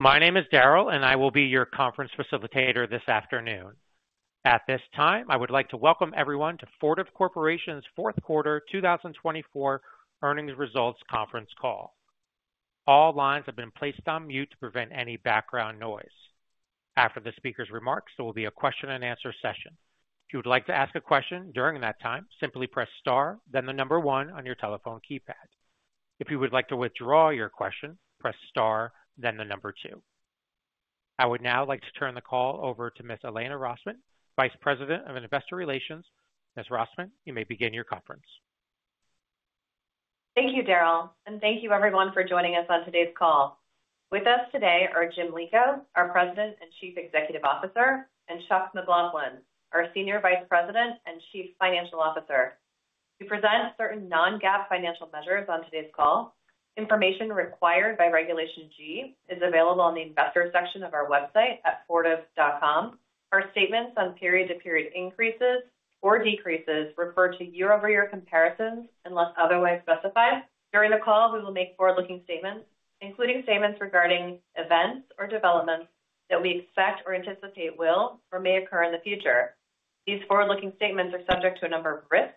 My name is Darrell, and I will be your conference facilitator this afternoon. At this time, I would like to welcome everyone to Fortive Corporation's Fourth Quarter 2024 Earnings Results Conference Call. All lines have been placed on mute to prevent any background noise. After the speaker's remarks, there will be a question-and-answer session. If you would like to ask a question during that time, simply press star, then the number one on your telephone keypad. If you would like to withdraw your question, press star, then the number two. I would now like to turn the call over to Ms. Elena Rosman, Vice President of Investor Relations. Ms. Rosman, you may begin your conference. Thank you, Darrell, and thank you, everyone, for joining us on today's call. With us today are Jim Lico, our President and Chief Executive Officer, and Chuck McLaughlin, our Senior Vice President and Chief Financial Officer. To present certain non-GAAP financial measures on today's call, information required by Regulation G is available on the Investor section of our website at fortive.com. Our statements on period-to-period increases or decreases refer to year-over-year comparisons unless otherwise specified. During the call, we will make forward-looking statements, including statements regarding events or developments that we expect or anticipate will or may occur in the future. These forward-looking statements are subject to a number of risks,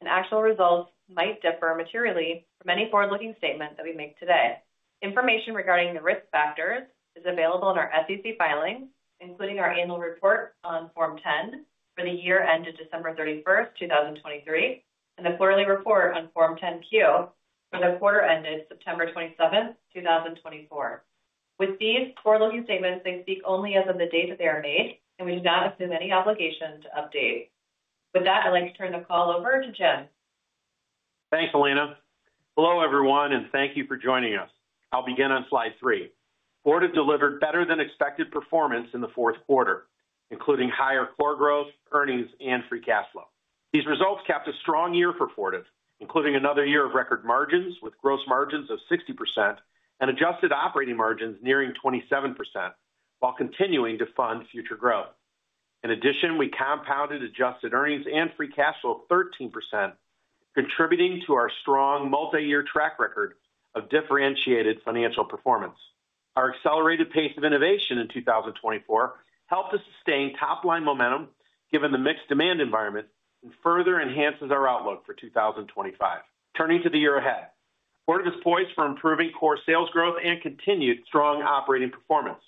and actual results might differ materially from any forward-looking statement that we make today. Information regarding the risk factors is available in our SEC filings, including our annual report on Form 10 for the year ended December 31, 2023, and the quarterly report on Form 10-Q for the quarter ended September 27, 2024. With these forward-looking statements, they speak only as of the date that they are made, and we do not assume any obligation to update. With that, I'd like to turn the call over to Jim. Thanks, Elena. Hello, everyone, and thank you for joining us. I'll begin on Slide 3. Fortive delivered better-than-expected performance in the fourth quarter, including higher core growth, earnings, and free cash flow. These results capped a strong year for Fortive, including another year of record margins with gross margins of 60% and adjusted operating margins nearing 27%, while continuing to fund future growth. In addition, we compounded adjusted earnings and free cash flow of 13%, contributing to our strong multi-year track record of differentiated financial performance. Our accelerated pace of innovation in 2024 helped us sustain top-line momentum given the mixed demand environment and further enhances our outlook for 2025. Turning to the year ahead, Fortive is poised for improving core sales growth and continued strong operating performance.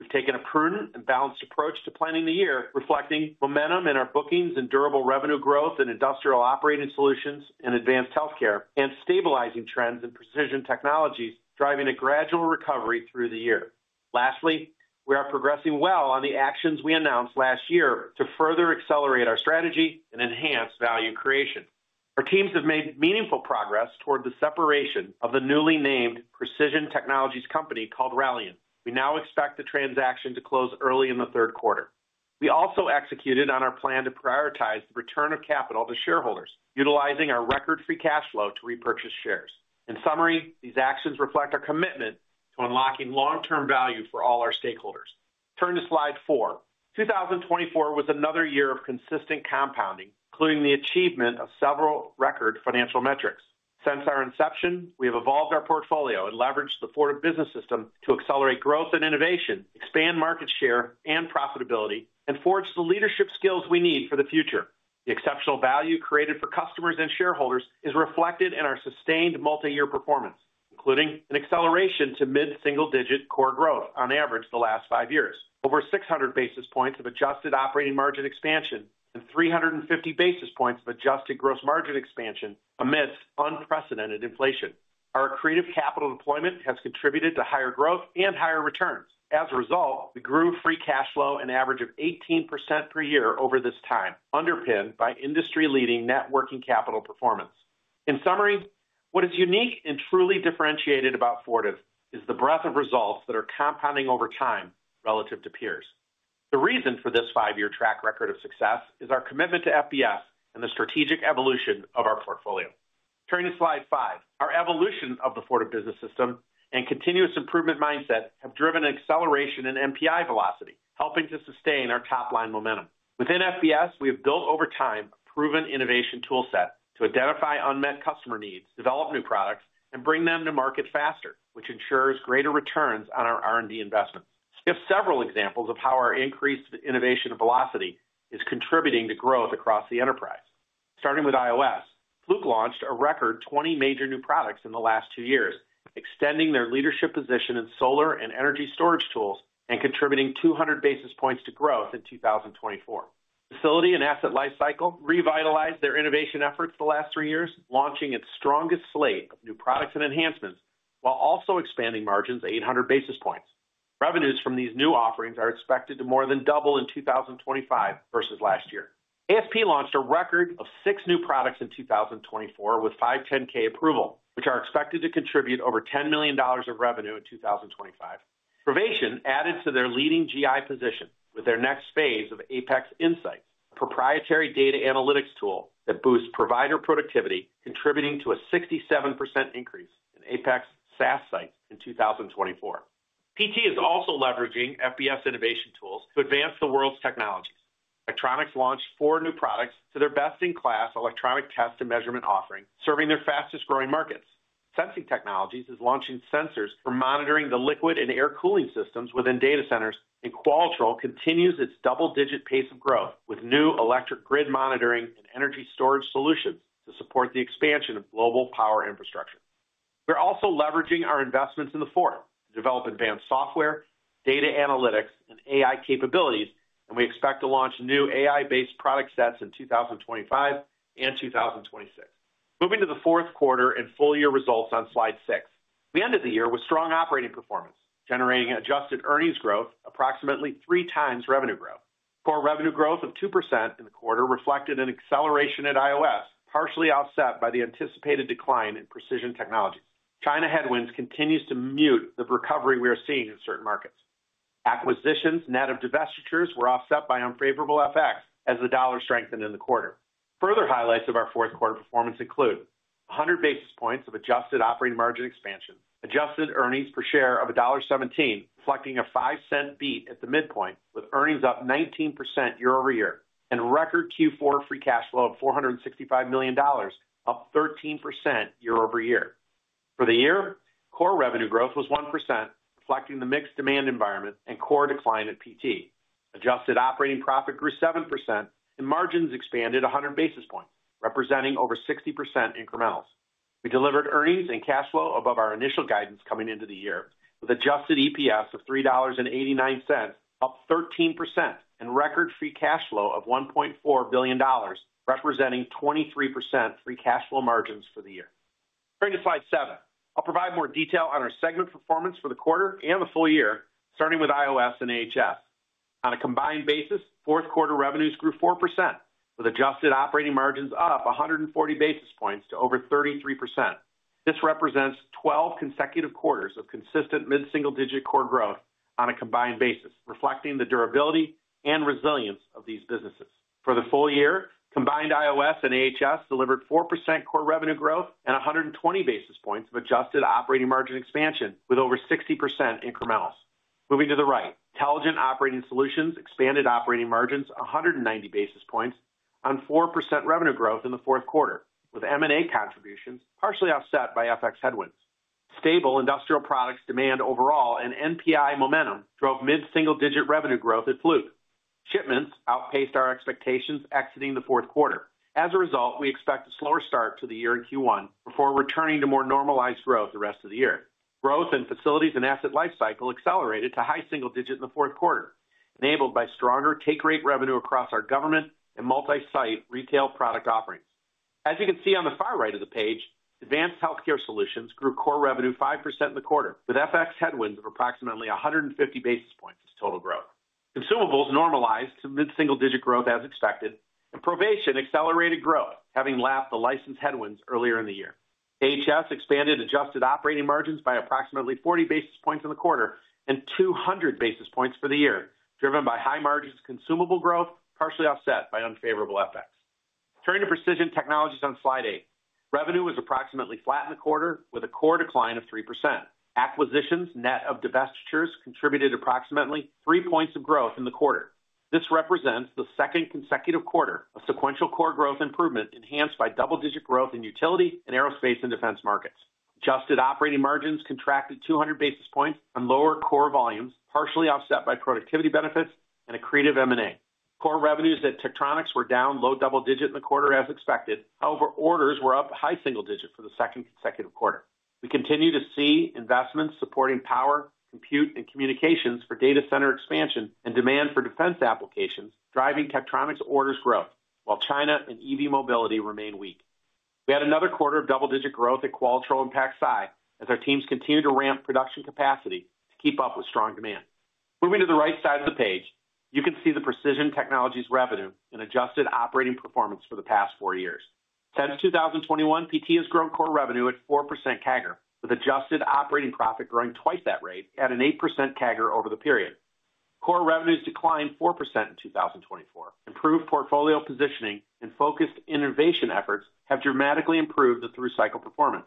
We've taken a prudent and balanced approach to planning the year, reflecting momentum in our bookings and durable revenue growth in Industrial Operating Solutions and Advanced Healthcare, and stabilizing trends in Precision Technologies driving a gradual recovery through the year. Lastly, we are progressing well on the actions we announced last year to further accelerate our strategy and enhance value creation. Our teams have made meaningful progress toward the separation of the newly named Precision Technologies Company called Raliant. We now expect the transaction to close early in the third quarter. We also executed on our plan to prioritize the return of capital to shareholders, utilizing our record free cash flow to repurchase shares. In summary, these actions reflect our commitment to unlocking long-term value for all our stakeholders. Turn to Slide 4, 2024 was another year of consistent compounding, including the achievement of several record financial metrics. Since our inception, we have evolved our portfolio and leveraged the Fortive Business System to accelerate growth and innovation, expand market share and profitability, and forge the leadership skills we need for the future. The exceptional value created for customers and shareholders is reflected in our sustained multi-year performance, including an acceleration to mid-single-digit core growth on average the last five years, over 600 basis points of adjusted operating margin expansion, and 350 basis points of adjusted gross margin expansion amidst unprecedented inflation. Our creative capital deployment has contributed to higher growth and higher returns. As a result, we grew free cash flow an average of 18% per year over this time, underpinned by industry-leading working capital performance. In summary, what is unique and truly differentiated about Fortive is the breadth of results that are compounding over time relative to peers. The reason for this five-year track record of success is our commitment to FBS and the strategic evolution of our portfolio. Turning to Slide 5, our evolution of the Fortive Business System and continuous improvement mindset have driven an acceleration in NPI velocity, helping to sustain our top-line momentum. Within FBS, we have built over time a proven innovation toolset to identify unmet customer needs, develop new products, and bring them to market faster, which ensures greater returns on our R&D investments. We have several examples of how our increased innovation velocity is contributing to growth across the enterprise. Starting with IOS, Fluke launched a record 20 major new products in the last two years, extending their leadership position in solar and energy storage tools and contributing 200 basis points to growth in 2024. Facility and Asset Lifecycle revitalized their innovation efforts the last three years, launching its strongest slate of new products and enhancements, while also expanding margins 800 basis points. Revenues from these new offerings are expected to more than double in 2025 versus last year. ASP launched a record of six new products in 2024 with 510(k) approval, which are expected to contribute over $10 million of revenue in 2025. Provation added to their leading GI position with their next phase of Apex Insights, a proprietary data analytics tool that boosts provider productivity, contributing to a 67% increase in Apex SaaS sites in 2024. PT is also leveraging FBS innovation tools to advance the world's technologies. Electronics launched four new products to their best-in-class electronic test and measurement offering, serving their fastest-growing markets. Sensing Technologies is launching sensors for monitoring the liquid and air cooling systems within data centers, and Qualitrol continues its double-digit pace of growth with new electric grid monitoring and energy storage solutions to support the expansion of global power infrastructure. We're also leveraging our investments in the Fortive to develop advanced software, data analytics, and AI capabilities, and we expect to launch new AI-based product sets in 2025 and 2026. Moving to the fourth quarter and full-year results on Slide 6, we ended the year with strong operating performance, generating adjusted earnings growth approximately three times revenue growth. Core revenue growth of 2% in the quarter reflected an acceleration at IOS, partially offset by the anticipated decline in Precision Technologies. China headwinds continue to mute the recovery we are seeing in certain markets. Acquisitions net of divestitures were offset by unfavorable effects as the dollar strengthened in the quarter. Further highlights of our fourth quarter performance include 100 basis points of adjusted operating margin expansion, adjusted earnings per share of $1.17, reflecting a $0.05 beat at the midpoint, with earnings up 19% year-over-year, and record Q4 free cash flow of $465 million, up 13% year-over-year. For the year, core revenue growth was 1%, reflecting the mixed demand environment and core decline at PT. Adjusted operating profit grew 7%, and margins expanded 100 basis points, representing over 60% incrementals. We delivered earnings and cash flow above our initial guidance coming into the year, with adjusted EPS of $3.89, up 13%, and record free cash flow of $1.4 billion, representing 23% free cash flow margins for the year. Turning to Slide 7, I'll provide more detail on our segment performance for the quarter and the full year, starting with IOS and AHS. On a combined basis, fourth quarter revenues grew 4%, with adjusted operating margins up 140 basis points to over 33%. This represents 12 consecutive quarters of consistent mid-single-digit core growth on a combined basis, reflecting the durability and resilience of these businesses. For the full year, combined IOS and AHS delivered 4% core revenue growth and 120 basis points of adjusted operating margin expansion, with over 60% incrementals. Moving to the right, Intelligent Operating Solutions expanded operating margins 190 basis points on 4% revenue growth in the fourth quarter, with M&A contributions partially offset by FX headwinds. Stable industrial products demand overall and NPI momentum drove mid-single-digit revenue growth at Fluke. Shipments outpaced our expectations exiting the fourth quarter. As a result, we expect a slower start to the year in Q1 before returning to more normalized growth the rest of the year. Growth in facilities and asset lifecycle accelerated to high single-digit in the fourth quarter, enabled by stronger take-rate revenue across our government and multi-site retail product offerings. As you can see on the far right of the page, Advanced Healthcare Solutions grew core revenue 5% in the quarter, with FX headwinds of approximately 150 basis points of total growth. Consumables normalized to mid-single-digit growth as expected, and Provation accelerated growth, having lapped the license headwinds earlier in the year. AHS expanded adjusted operating margins by approximately 40 basis points in the quarter and 200 basis points for the year, driven by high-margin consumable growth partially offset by unfavorable effects. Turning to Precision Technologies on Slide 8, revenue was approximately flat in the quarter, with a core decline of 3%. Acquisitions net of divestitures contributed approximately three points of growth in the quarter. This represents the second consecutive quarter of sequential core growth improvement enhanced by double-digit growth in utility and aerospace and defense markets. Adjusted operating margins contracted 200 basis points on lower core volumes, partially offset by productivity benefits and accretive M&A. Core revenues at Tektronix were down low double-digit in the quarter as expected. However, orders were up high single-digit for the second consecutive quarter. We continue to see investments supporting power, compute, and communications for data center expansion and demand for defense applications driving Tektronix orders growth, while China and EV mobility remain weak. We had another quarter of double-digit growth at Qualitrol and PacSci as our teams continue to ramp production capacity to keep up with strong demand. Moving to the right side of the page, you can see the Precision Technologies revenue and adjusted operating performance for the past four years. Since 2021, PT has grown core revenue at 4% CAGR, with adjusted operating profit growing twice that rate at an 8% CAGR over the period. Core revenues declined 4% in 2024. Improved portfolio positioning and focused innovation efforts have dramatically improved the through cycle performance.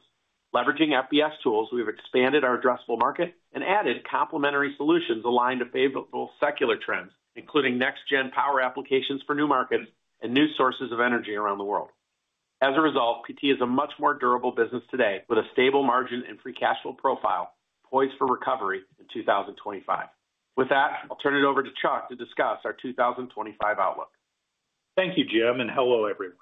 Leveraging FBS tools, we have expanded our addressable market and added complementary solutions aligned to favorable secular trends, including next-gen power applications for new markets and new sources of energy around the world. As a result, PT is a much more durable business today, with a stable margin and free cash flow profile poised for recovery in 2025. With that, I'll turn it over to Chuck to discuss our 2025 outlook. Thank you, Jim, and hello, everyone.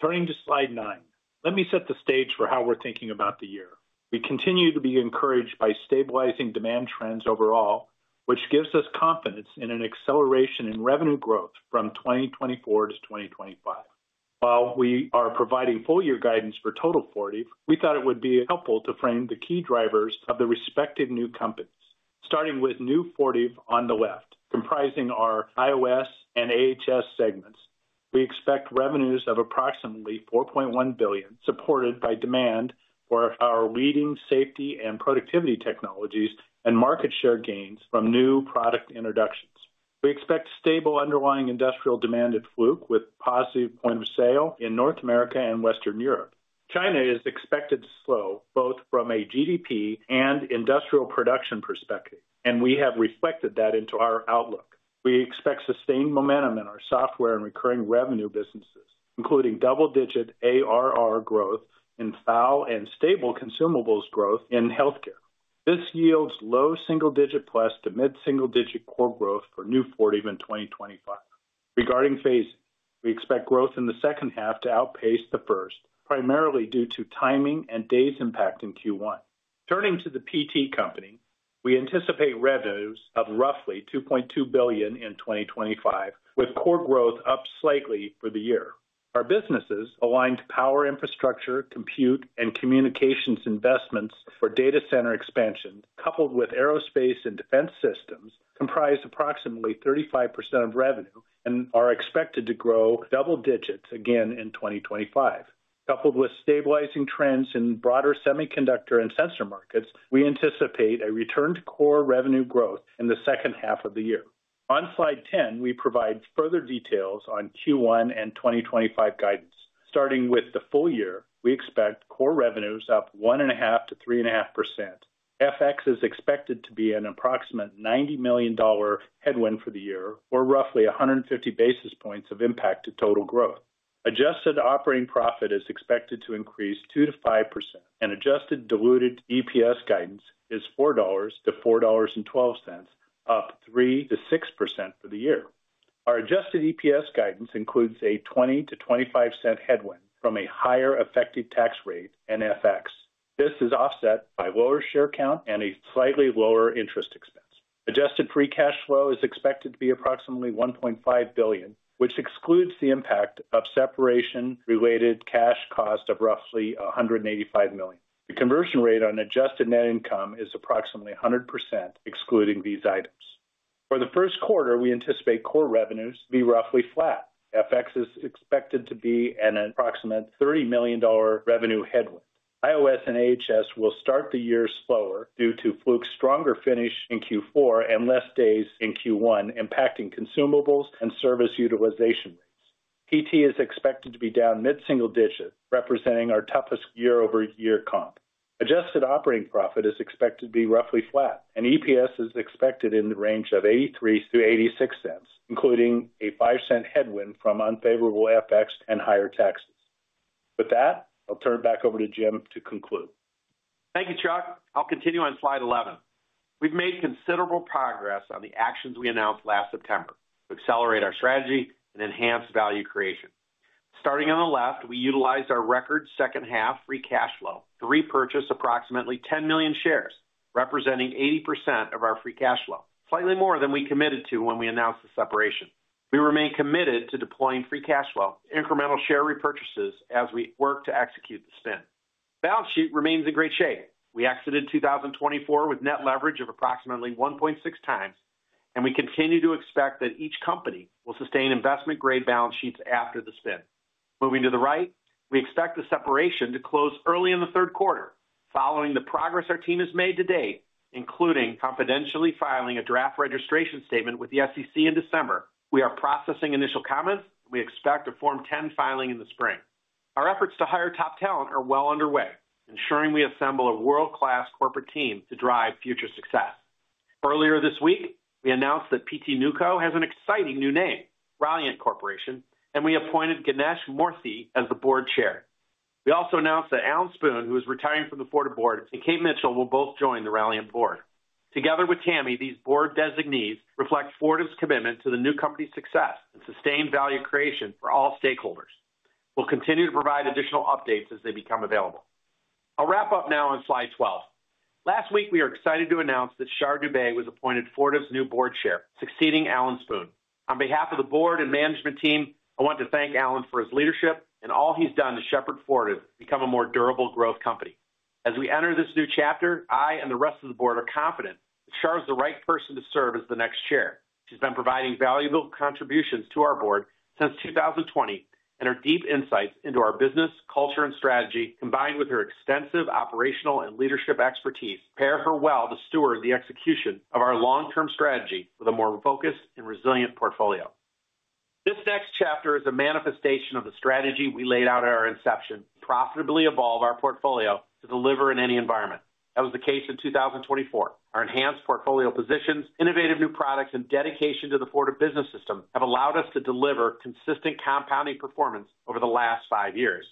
Turning to Slide 9, let me set the stage for how we're thinking about the year. We continue to be encouraged by stabilizing demand trends overall, which gives us confidence in an acceleration in revenue growth from 2024 to 2025. While we are providing full-year guidance for Total Fortive, we thought it would be helpful to frame the key drivers of the respective new companies. Starting with New Fortive on the left, comprising our IOS and AHS segments, we expect revenues of approximately $4.1 billion, supported by demand for our leading safety and productivity technologies and market share gains from new product introductions. We expect stable underlying industrial demand at Fluke with positive point of sale in North America and Western Europe. China is expected to slow both from a GDP and industrial production perspective, and we have reflected that into our outlook. We expect sustained momentum in our software and recurring revenue businesses, including double-digit ARR growth in FAL and stable consumables growth in healthcare. This yields low single-digit plus to mid-single digit core growth for New Fortive in 2025. Regarding phasing, we expect growth in the second half to outpace the first, primarily due to timing and days impacting Q1. Turning to the PT company, we anticipate revenues of roughly $2.2 billion in 2025, with core growth up slightly for the year. Our businesses aligned power infrastructure, compute, and communications investments for data center expansion, coupled with aerospace and defense systems, comprise approximately 35% of revenue and are expected to grow double digits again in 2025. Coupled with stabilizing trends in broader semiconductor and sensor markets, we anticipate a return to core revenue growth in the second half of the year. On Slide 10, we provide further details on Q1 and 2025 guidance. Starting with the full year, we expect core revenues up 1.5%-3.5%. FX is expected to be an approximate $90 million headwind for the year, or roughly 150 basis points of impact to total growth. Adjusted operating profit is expected to increase 2%-5%, and adjusted diluted EPS guidance is $4.00-$4.12, up 3%-6% for the year. Our adjusted EPS guidance includes a 20%-25% headwind from a higher effective tax rate and FX. This is offset by lower share count and a slightly lower interest expense. Adjusted free cash flow is expected to be approximately $1.5 billion, which excludes the impact of separation-related cash cost of roughly $185 million. The conversion rate on adjusted net income is approximately 100%, excluding these items. For the first quarter, we anticipate core revenues to be roughly flat. FX is expected to be an approximate $30 million revenue headwind. IOS and AHS will start the year slower due to Fluke's stronger finish in Q4 and less days in Q1, impacting consumables and service utilization rates. PT is expected to be down mid-single digit, representing our toughest year-over-year comp. Adjusted operating profit is expected to be roughly flat, and EPS is expected in the range of $0.83 to $0.86, including a $0.05 headwind from unfavorable FX and higher taxes. With that, I'll turn it back over to Jim to conclude. Thank you, Chuck. I'll continue on Slide 11. We've made considerable progress on the actions we announced last September to accelerate our strategy and enhance value creation. Starting on the left, we utilized our record second-half free cash flow to repurchase approximately 10 million shares, representing 80% of our free cash flow, slightly more than we committed to when we announced the separation. We remain committed to deploying free cash flow incremental share repurchases as we work to execute the spin. Balance sheet remains in great shape. We exited 2024 with net leverage of approximately 1.6 times, and we continue to expect that each company will sustain investment-grade balance sheets after the spin. Moving to the right, we expect the separation to close early in the third quarter, following the progress our team has made to date, including confidentially filing a draft registration statement with the SEC in December. We are processing initial comments, and we expect a Form 10 filing in the spring. Our efforts to hire top talent are well underway, ensuring we assemble a world-class corporate team to drive future success. Earlier this week, we announced that PT Newco has an exciting new name, Raliant Corporation, and we appointed Ganesh Moorthy as the board chair. We also announced that Alan Spoon, who is retiring from the Fortive Board, and Kate Mitchell will both join the Raliant Board. Together with Tammy, these board designees reflect Fortive's commitment to the new company's success and sustained value creation for all stakeholders. We'll continue to provide additional updates as they become available. I'll wrap up now on Slide 12. Last week, we were excited to announce that Shar Dubey was appointed Fortive's new board chair, succeeding Alan Spoon. On behalf of the board and management team, I want to thank Alan for his leadership and all he's done to shepherd Fortive to become a more durable growth company. As we enter this new chapter, I and the rest of the board are confident that Shar is the right person to serve as the next chair. She's been providing valuable contributions to our board since 2020, and her deep insights into our business, culture, and strategy, combined with her extensive operational and leadership expertise, pair her well to steward the execution of our long-term strategy with a more focused and resilient portfolio. This next chapter is a manifestation of the strategy we laid out at our inception: profitably evolve our portfolio to deliver in any environment. That was the case in 2024. Our enhanced portfolio positions, innovative new products, and dedication to the Fortive Business System have allowed us to deliver consistent compounding performance over the last five years.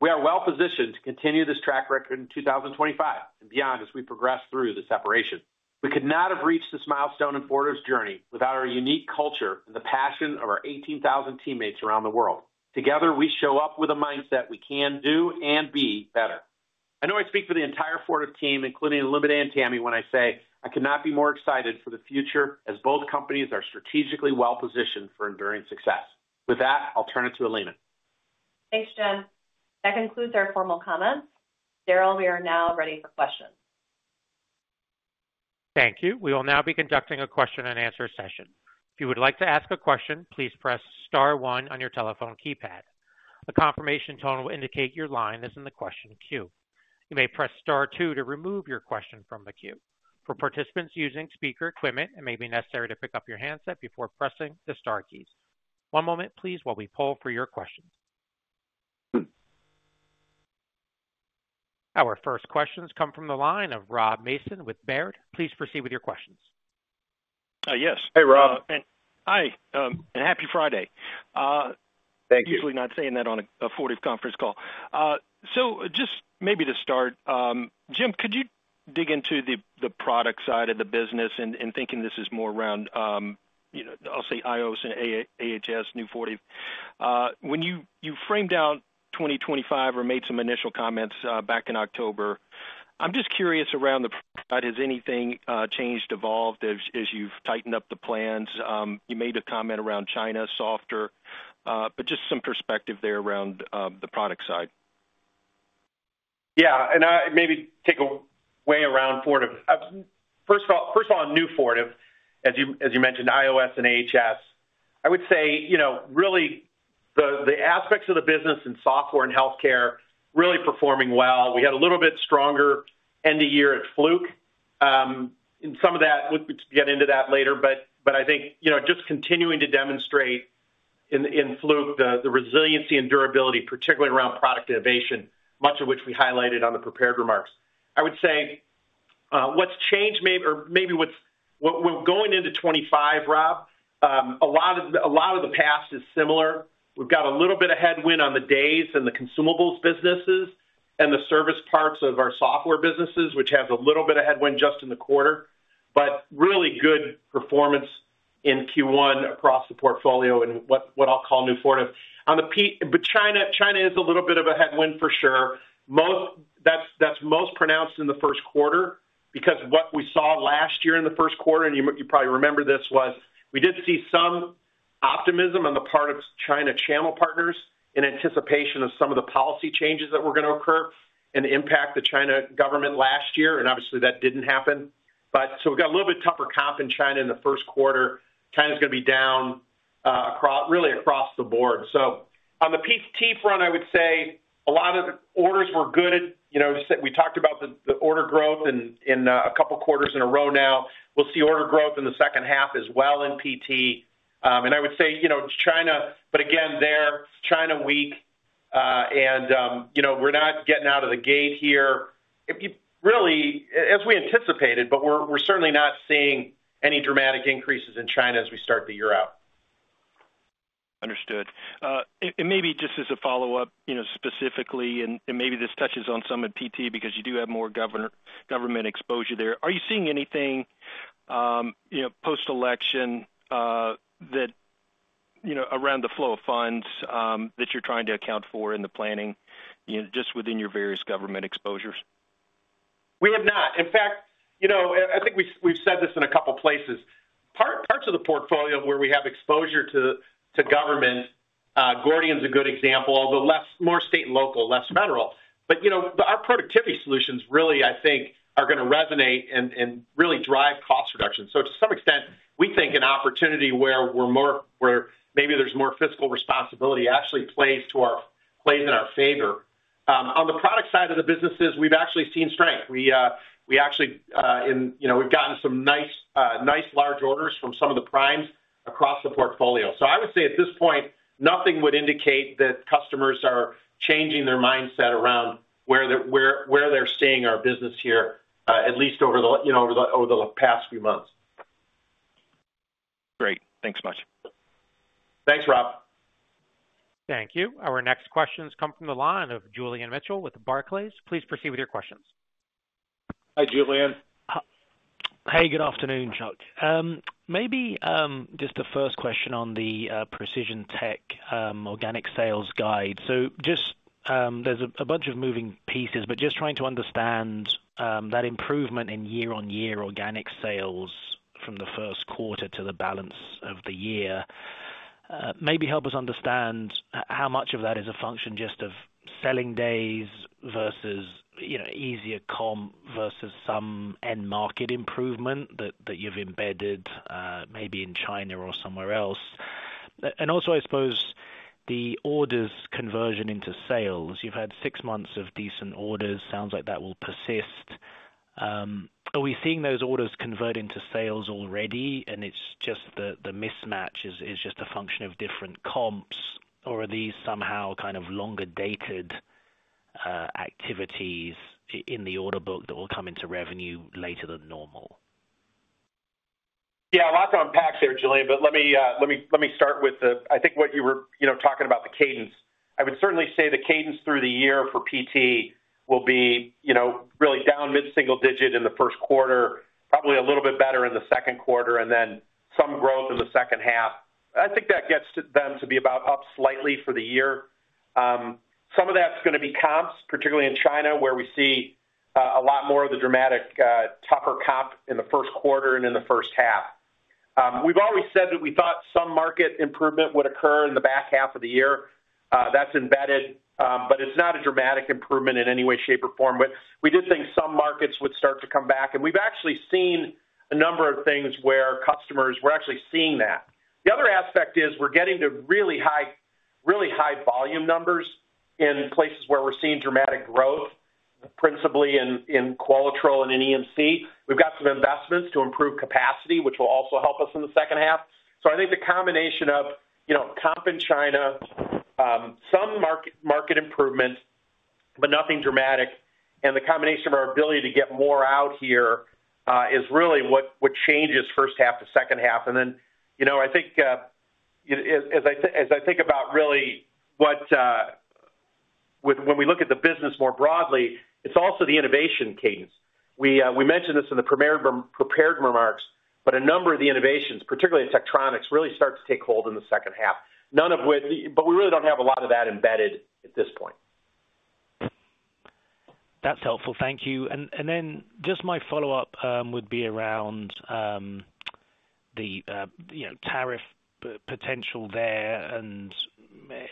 We are well positioned to continue this track record in 2025 and beyond as we progress through the separation. We could not have reached this milestone in Fortive's journey without our unique culture and the passion of our 18,000 teammates around the world. Together, we show up with a mindset we can do and be better. I know I speak for the entire Fortive team, including Linda and Tammy, when I say I could not be more excited for the future as both companies are strategically well positioned for enduring success. With that, I'll turn it to Elena. Thanks, Jim. That concludes our formal comments. Darrell, we are now ready for questions. Thank you. We will now be conducting a question-and-answer session. If you would like to ask a question, please press star one on your telephone keypad. A confirmation tone will indicate your line is in the question queue. You may press star two to remove your question from the queue. For participants using speaker equipment, it may be necessary to pick up your handset before pressing the star keys. One moment, please, while we pull for your questions. Our first questions come from the line of Rob Mason with Baird. Please proceed with your questions. Yes. Hey, Rob. Hi and happy Friday. Thank you. Usually not saying that on a Fortive conference call. So just maybe to start, Jim, could you dig into the product side of the business and thinking this is more around, I'll say, IOS and AHS, New Fortive? When you framed out 2025 or made some initial comments back in October, I'm just curious around the product; has anything changed, evolved as you've tightened up the plans? You made a comment around China softer, but just some perspective there around the product side. Yeah. And maybe take away around Fortive. First of all, New Fortive, as you mentioned, IOS and AHS. I would say really the aspects of the business in software and healthcare really performing well. We had a little bit stronger end of year at Fluke. And some of that, we'll get into that later, but I think just continuing to demonstrate in Fluke the resiliency and durability, particularly around product innovation, much of which we highlighted on the prepared remarks. I would say what's changed, or maybe what's going into 2025, Rob, a little bit of headwind on the days and the consumables businesses and the service parts of our software businesses, which has a little bit of headwind just in the quarter, but really good performance in Q1 across the portfolio and what I'll call New Fortive. But China is a little bit of a headwind for sure. That's most pronounced in the first quarter because what we saw last year in the first quarter, and you probably remember this, was we did see some optimism on the part of China channel partners in anticipation of some of the policy changes that were going to occur and impact the China government last year, and obviously that didn't happen. But so we've got a little bit tougher comp in China in the first quarter. China's going to be down really across the board. So on the PT front, I would say a lot of orders were good. We talked about the order growth in a couple of quarters in a row now. We'll see order growth in the second half as well in PT. And I would say China, but again, they're China weak, and we're not getting out of the gate here. Really, as we anticipated, but we're certainly not seeing any dramatic increases in China as we start the year out. Understood. And maybe just as a follow-up specifically, and maybe this touches on some in PT because you do have more government exposure there. Are you seeing anything post-election around the flow of funds that you're trying to account for in the planning just within your various government exposures? We have not. In fact, I think we've said this in a couple of places. Parts of the portfolio where we have exposure to government, Gordian's a good example, although more state and local, less federal. But our productivity solutions really, I think, are going to resonate and really drive cost reduction. So to some extent, we think an opportunity where maybe there's more fiscal responsibility actually plays in our favor. On the product side of the businesses, we've actually seen strength. We actually have gotten some nice large orders from some of the primes across the portfolio. So I would say at this point, nothing would indicate that customers are changing their mindset around where they're seeing our business here, at least over the past few months. Great. Thanks so much. Thanks, Rob. Thank you. Our next questions come from the line of Julian Mitchell with Barclays. Please proceed with your questions. Hi, Julian. Hi. Good afternoon, Chuck. Maybe just a first question on the Precision Tech Organic Sales Guide. So there's a bunch of moving pieces, but just trying to understand that improvement in year-on-year organic sales from the first quarter to the balance of the year. Maybe help us understand how much of that is a function just of selling days versus easier comp versus some end market improvement that you've embedded maybe in China or somewhere else. And also, I suppose, the orders conversion into sales. You've had six months of decent orders. Sounds like that will persist. Are we seeing those orders convert into sales already, and it's just the mismatch is just a function of different comps, or are these somehow kind of longer dated activities in the order book that will come into revenue later than normal? Yeah. A lot to unpack there, Julian, but let me start with, I think, what you were talking about, the cadence. I would certainly say the cadence through the year for PT will be really down mid-single digit in the first quarter, probably a little bit better in the second quarter, and then some growth in the second half. I think that gets them to be about up slightly for the year. Some of that's going to be comps, particularly in China, where we see a lot more of the dramatic tougher comp in the first quarter and in the first half. We've always said that we thought some market improvement would occur in the back half of the year. That's embedded, but it's not a dramatic improvement in any way, shape, or form. We did think some markets would start to come back, and we've actually seen a number of things where customers were actually seeing that. The other aspect is we're getting to really high volume numbers in places where we're seeing dramatic growth, principally in Qualitrol and in EMC. We've got some investments to improve capacity, which will also help us in the second half. So I think the combination of comp in China, some market improvement, but nothing dramatic, and the combination of our ability to get more out here is really what changes first half to second half. And then I think, as I think about really when we look at the business more broadly, it's also the innovation cadence. We mentioned this in the prepared remarks, but a number of the innovations, particularly in Tektronix, really start to take hold in the second half. None of which, but we really don't have a lot of that embedded at this point. That's helpful. Thank you. And then just my follow-up would be around the tariff potential there and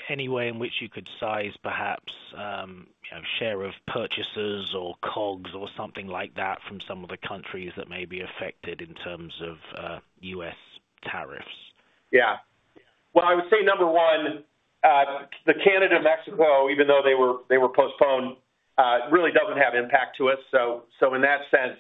any way in which you could size, perhaps, share of purchasers or COGS or something like that from some of the countries that may be affected in terms of U.S. tariffs. Yeah. Well, I would say number one, the Canada-Mexico, even though they were postponed, really doesn't have impact to us. So in that sense,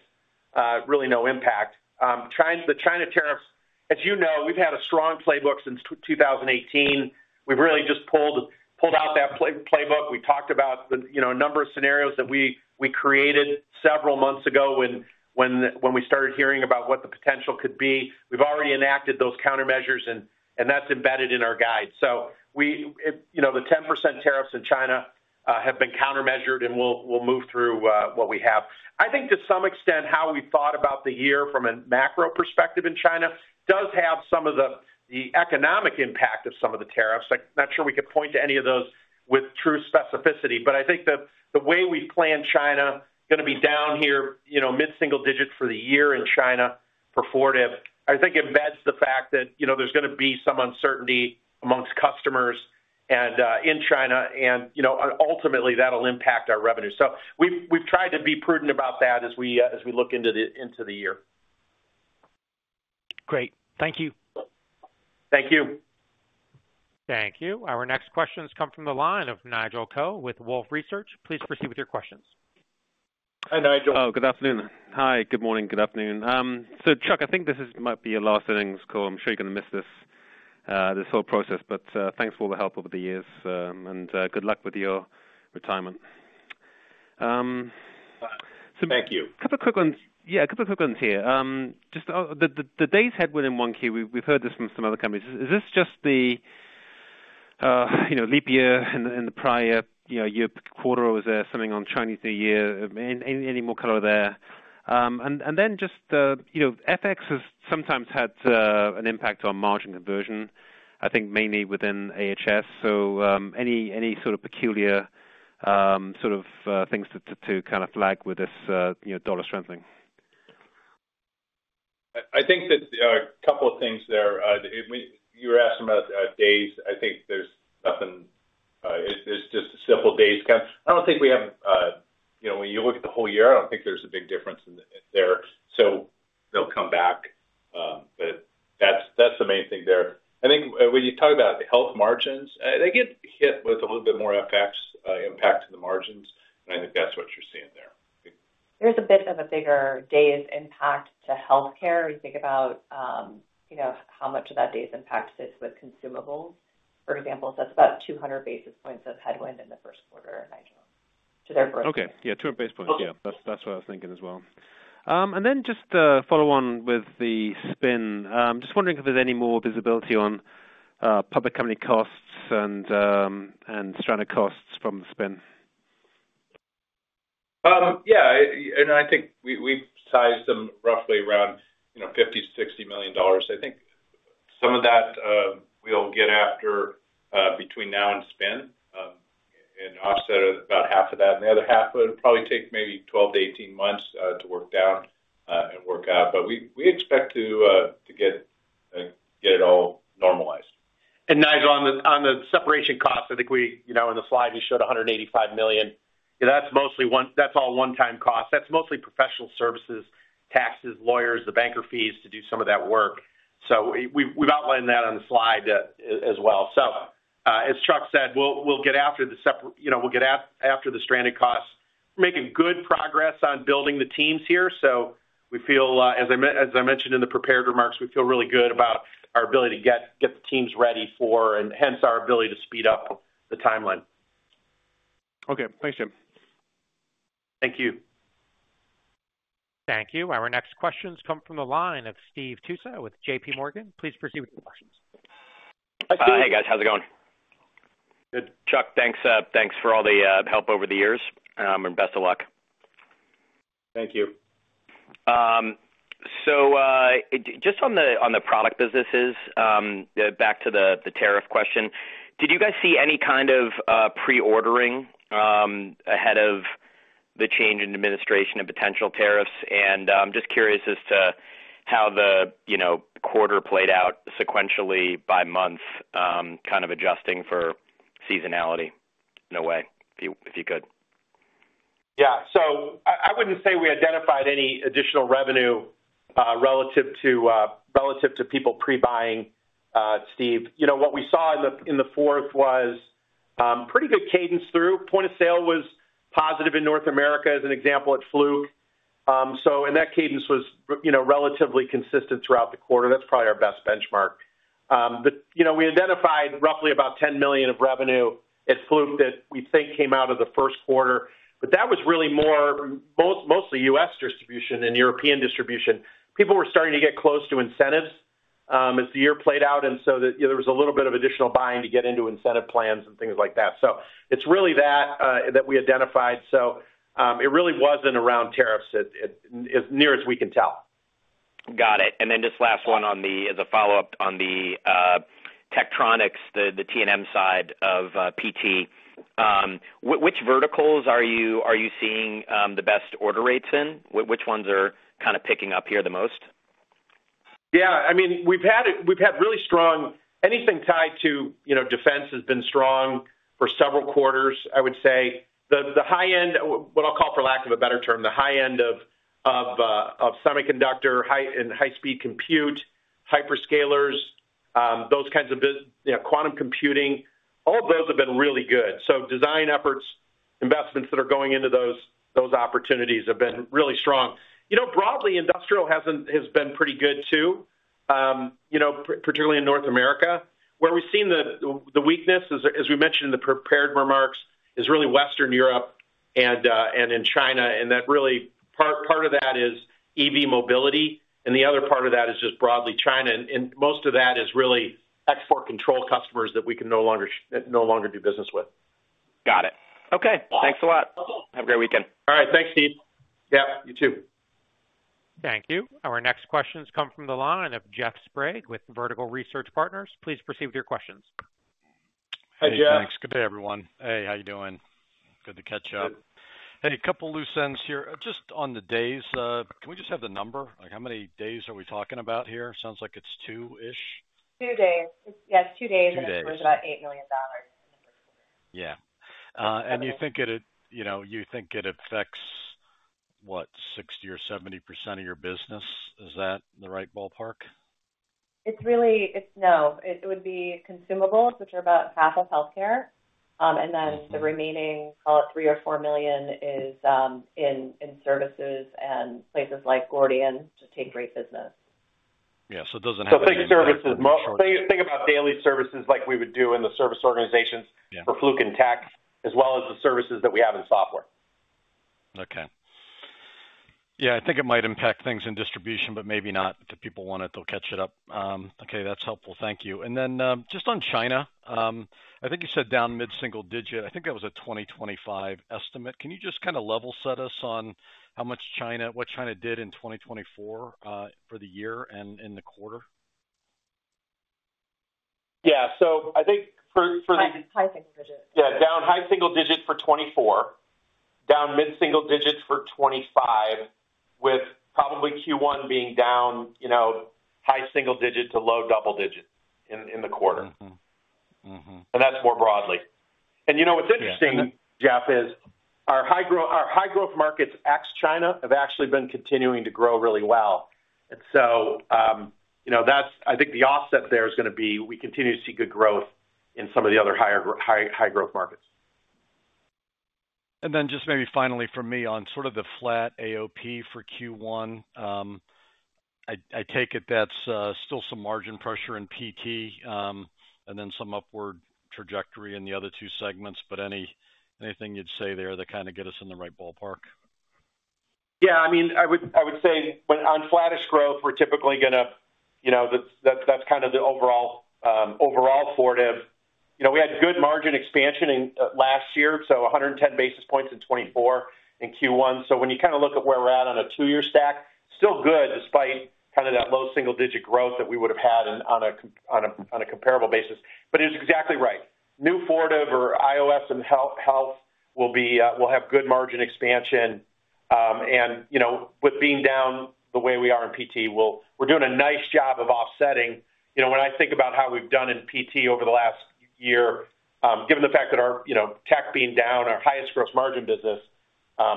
really no impact. The China tariffs, as you know, we've had a strong playbook since 2018. We've really just pulled out that playbook. We talked about a number of scenarios that we created several months ago when we started hearing about what the potential could be. We've already enacted those countermeasures, and that's embedded in our guide. So the 10% tariffs in China have been counter-measured, and we'll move through what we have. I think to some extent, how we thought about the year from a macro perspective in China does have some of the economic impact of some of the tariffs. I'm not sure we could point to any of those with true specificity, but I think the way we've planned China going to be down here, mid-single digit for the year in China for Fortive, I think embeds the fact that there's going to be some uncertainty amongst customers in China, and ultimately, that'll impact our revenue. So we've tried to be prudent about that as we look into the year. Great. Thank you. Thank you. Thank you. Our next questions come from the line of Nigel Coe with Wolfe Research. Please proceed with your questions. Hi, Nigel. Oh, good afternoon. Hi. Good morning. Good afternoon. So Chuck, I think this might be your last earnings call. I'm sure you're going to miss this whole process, but thanks for all the help over the years, and good luck with your retirement. Thank you. Couple of quick ones. Yeah, a couple of quick ones here. Just the days headwind in Q1, we've heard this from some other companies. Is this just the leap year in the prior year quarter, or was there something on Chinese New Year? Any more color there? And then just FX has sometimes had an impact on margin conversion, I think mainly within AHS. So any sort of peculiar sort of things to kind of flag with this dollar strengthening? I think that a couple of things there. You were asking about days. I think there's nothing. It's just simple days. I don't think we have, when you look at the whole year, I don't think there's a big difference there. So. They'll come back. But that's the main thing there. I think when you talk about health margins, they get hit with a little bit more FX impact in the margins, and I think that's what you're seeing there. There's a bit of a bigger days impact to healthcare. We think about how much of that days impact sits with consumables. For example, that's about 200 basis points of headwind in the first quarter, Nigel, to their first year. Okay. Yeah, 200 basis points. Yeah. That's what I was thinking as well, and then just to follow on with the spin. I'm just wondering if there's any more visibility on public company costs and stranded costs from the spin? Yeah. And I think we've sized them roughly around $50 million-$60 million. I think some of that we'll get after between now and spin and offset about half of that. And the other half would probably take maybe 12-18 months to work down and work out. But we expect to get it all normalized. And Nigel, on the separation costs, I think on the slide you showed $185 million, that's all one-time costs. That's mostly professional services, taxes, lawyers, the banker fees to do some of that work. So we've outlined that on the slide as well. So as Chuck said, we'll get after the separation, we'll get after the strategic costs. We're making good progress on building the teams here. So as I mentioned in the prepared remarks, we feel really good about our ability to get the teams ready for, and hence our ability to speed up the timeline. Okay. Thanks, Jim. Thank you. Thank you. Our next questions come from the line of Steve Tusa with J.P. Morgan. Please proceed with your questions. Hi, guys. How's it going? Good. Chuck, thanks. Thanks for all the help over the years, and best of luck. Thank you. Just on the product businesses, back to the tariff question, did you guys see any kind of preordering ahead of the change in administration and potential tariffs? I'm just curious as to how the quarter played out sequentially by month, kind of adjusting for seasonality in a way, if you could. Yeah. So I wouldn't say we identified any additional revenue relative to people pre-buying, Steve. What we saw in the fourth was pretty good cadence through. Point of sale was positive in North America, as an example, at Fluke. So that cadence was relatively consistent throughout the quarter. That's probably our best benchmark. But we identified roughly about $10 million of revenue at Fluke that we think came out of the first quarter. But that was really more mostly U.S. distribution and European distribution. People were starting to get close to incentives as the year played out, and so there was a little bit of additional buying to get into incentive plans and things like that. So it's really that that we identified. So it really wasn't around tariffs as near as we can tell. Got it. And then just last one as a follow-up on the Tektronix, the T&M side of PT. Which verticals are you seeing the best order rates in? Which ones are kind of picking up here the most? Yeah. I mean, we've had really strong anything tied to defense has been strong for several quarters, I would say. The high-end, what I'll call for lack of a better term, the high-end of semiconductor and high-speed compute, hyperscalers, those kinds of quantum computing, all of those have been really good. Design efforts, investments that are going into those opportunities have been really strong. Broadly, industrial has been pretty good too, particularly in North America. Where we've seen the weakness, as we mentioned in the prepared remarks, is really Western Europe and in China. That really part of that is EV mobility, and the other part of that is just broadly China. Most of that is really export control customers that we can no longer do business with. Got it. Okay. Thanks a lot. Have a great weekend. All right. Thanks, Steve. Yeah. You too. Thank you. Our next questions come from the line of Jeff Sprague with Vertical Research Partners. Please proceed with your questions. Hi, Jeff. Hi. Good day, everyone. Hey, how you doing? Good to catch up. Hey, a couple of loose ends here. Just on the days, can we just have the number? How many days are we talking about here? Sounds like it's two-ish. Two days. Yes, two days and upwards, about $8 million in the first quarter. Yeah. And you think it affects, what, 60% or 70% of your business? Is that the right ballpark? No. It would be consumables, which are about half of healthcare. And then the remaining, call it $3 million or $4 million, is in services and places like Gordian to take great business. Yeah, so it doesn't have to be healthcare. So big services. Think about daily services like we would do in the service organizations. For Fluke and Tech, as well as the services that we have in software. Okay. Yeah. I think it might impact things in distribution, but maybe not. If people want it, they'll catch it up. Okay. That's helpful. Thank you. And then just on China, I think you said down mid-single digit. I think that was a 2025 estimate. Can you just kind of level set us on what China did in 2024 for the year and in the quarter? Yeah, so I think for the. High single digit. Yeah. Down high single-digit for 2024, down mid-single-digit for 2025, with probably Q1 being down high single-digit to low double-digit in the quarter. And that's more broadly. And what's interesting, Jeff, is our high-growth markets ex-China have actually been continuing to grow really well. And so I think the offset there is going to be we continue to see good growth in some of the other high-growth markets. And then just maybe finally for me on sort of the flat AOP for Q1, I take it that's still some margin pressure in PT and then some upward trajectory in the other two segments. But anything you'd say there that kind of get us in the right ballpark? Yeah. I mean, I would say on flattish growth, we're typically going to that's kind of the overall Fortive. We had good margin expansion last year, so 110 basis points in 2024 in Q1. So when you kind of look at where we're at on a two-year stack, still good despite kind of that low single-digit growth that we would have had on a comparable basis. But it's exactly right. New Fortive or IOS and Health will have good margin expansion. And with being down the way we are in PT, we're doing a nice job of offsetting. When I think about how we've done in PT over the last year, given the fact that our Tech being down, our highest gross margin business,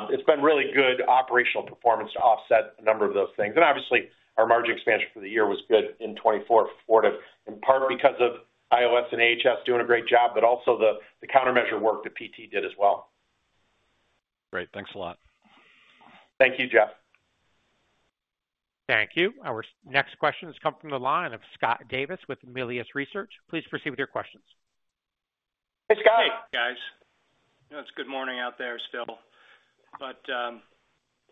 it's been really good operational performance to offset a number of those things. Obviously, our margin expansion for the year was good in 2024 for Fortive, in part because of IOS and HS doing a great job, but also the countermeasure work that PT did as well. Great. Thanks a lot. Thank you, Jeff. Thank you. Our next questions come from the line of Scott Davis with Melius Research. Please proceed with your questions. Hey, Scott. Hey, guys. It's good morning out there still. But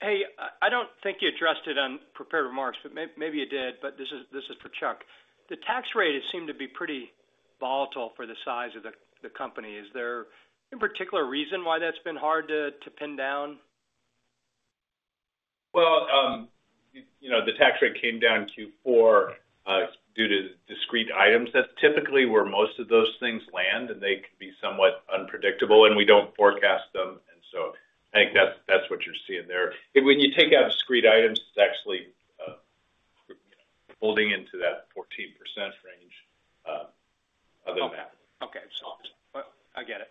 hey, I don't think you addressed it on prepared remarks, but maybe you did. But this is for Chuck. The tax rate has seemed to be pretty volatile for the size of the company. Is there in particular a reason why that's been hard to pin down? The tax rate came down Q4 due to discrete items. That's typically where most of those things land, and they can be somewhat unpredictable, and we don't forecast them. And so I think that's what you're seeing there. When you take out discrete items, it's actually holding into that 14% range other than that. Okay. So I get it.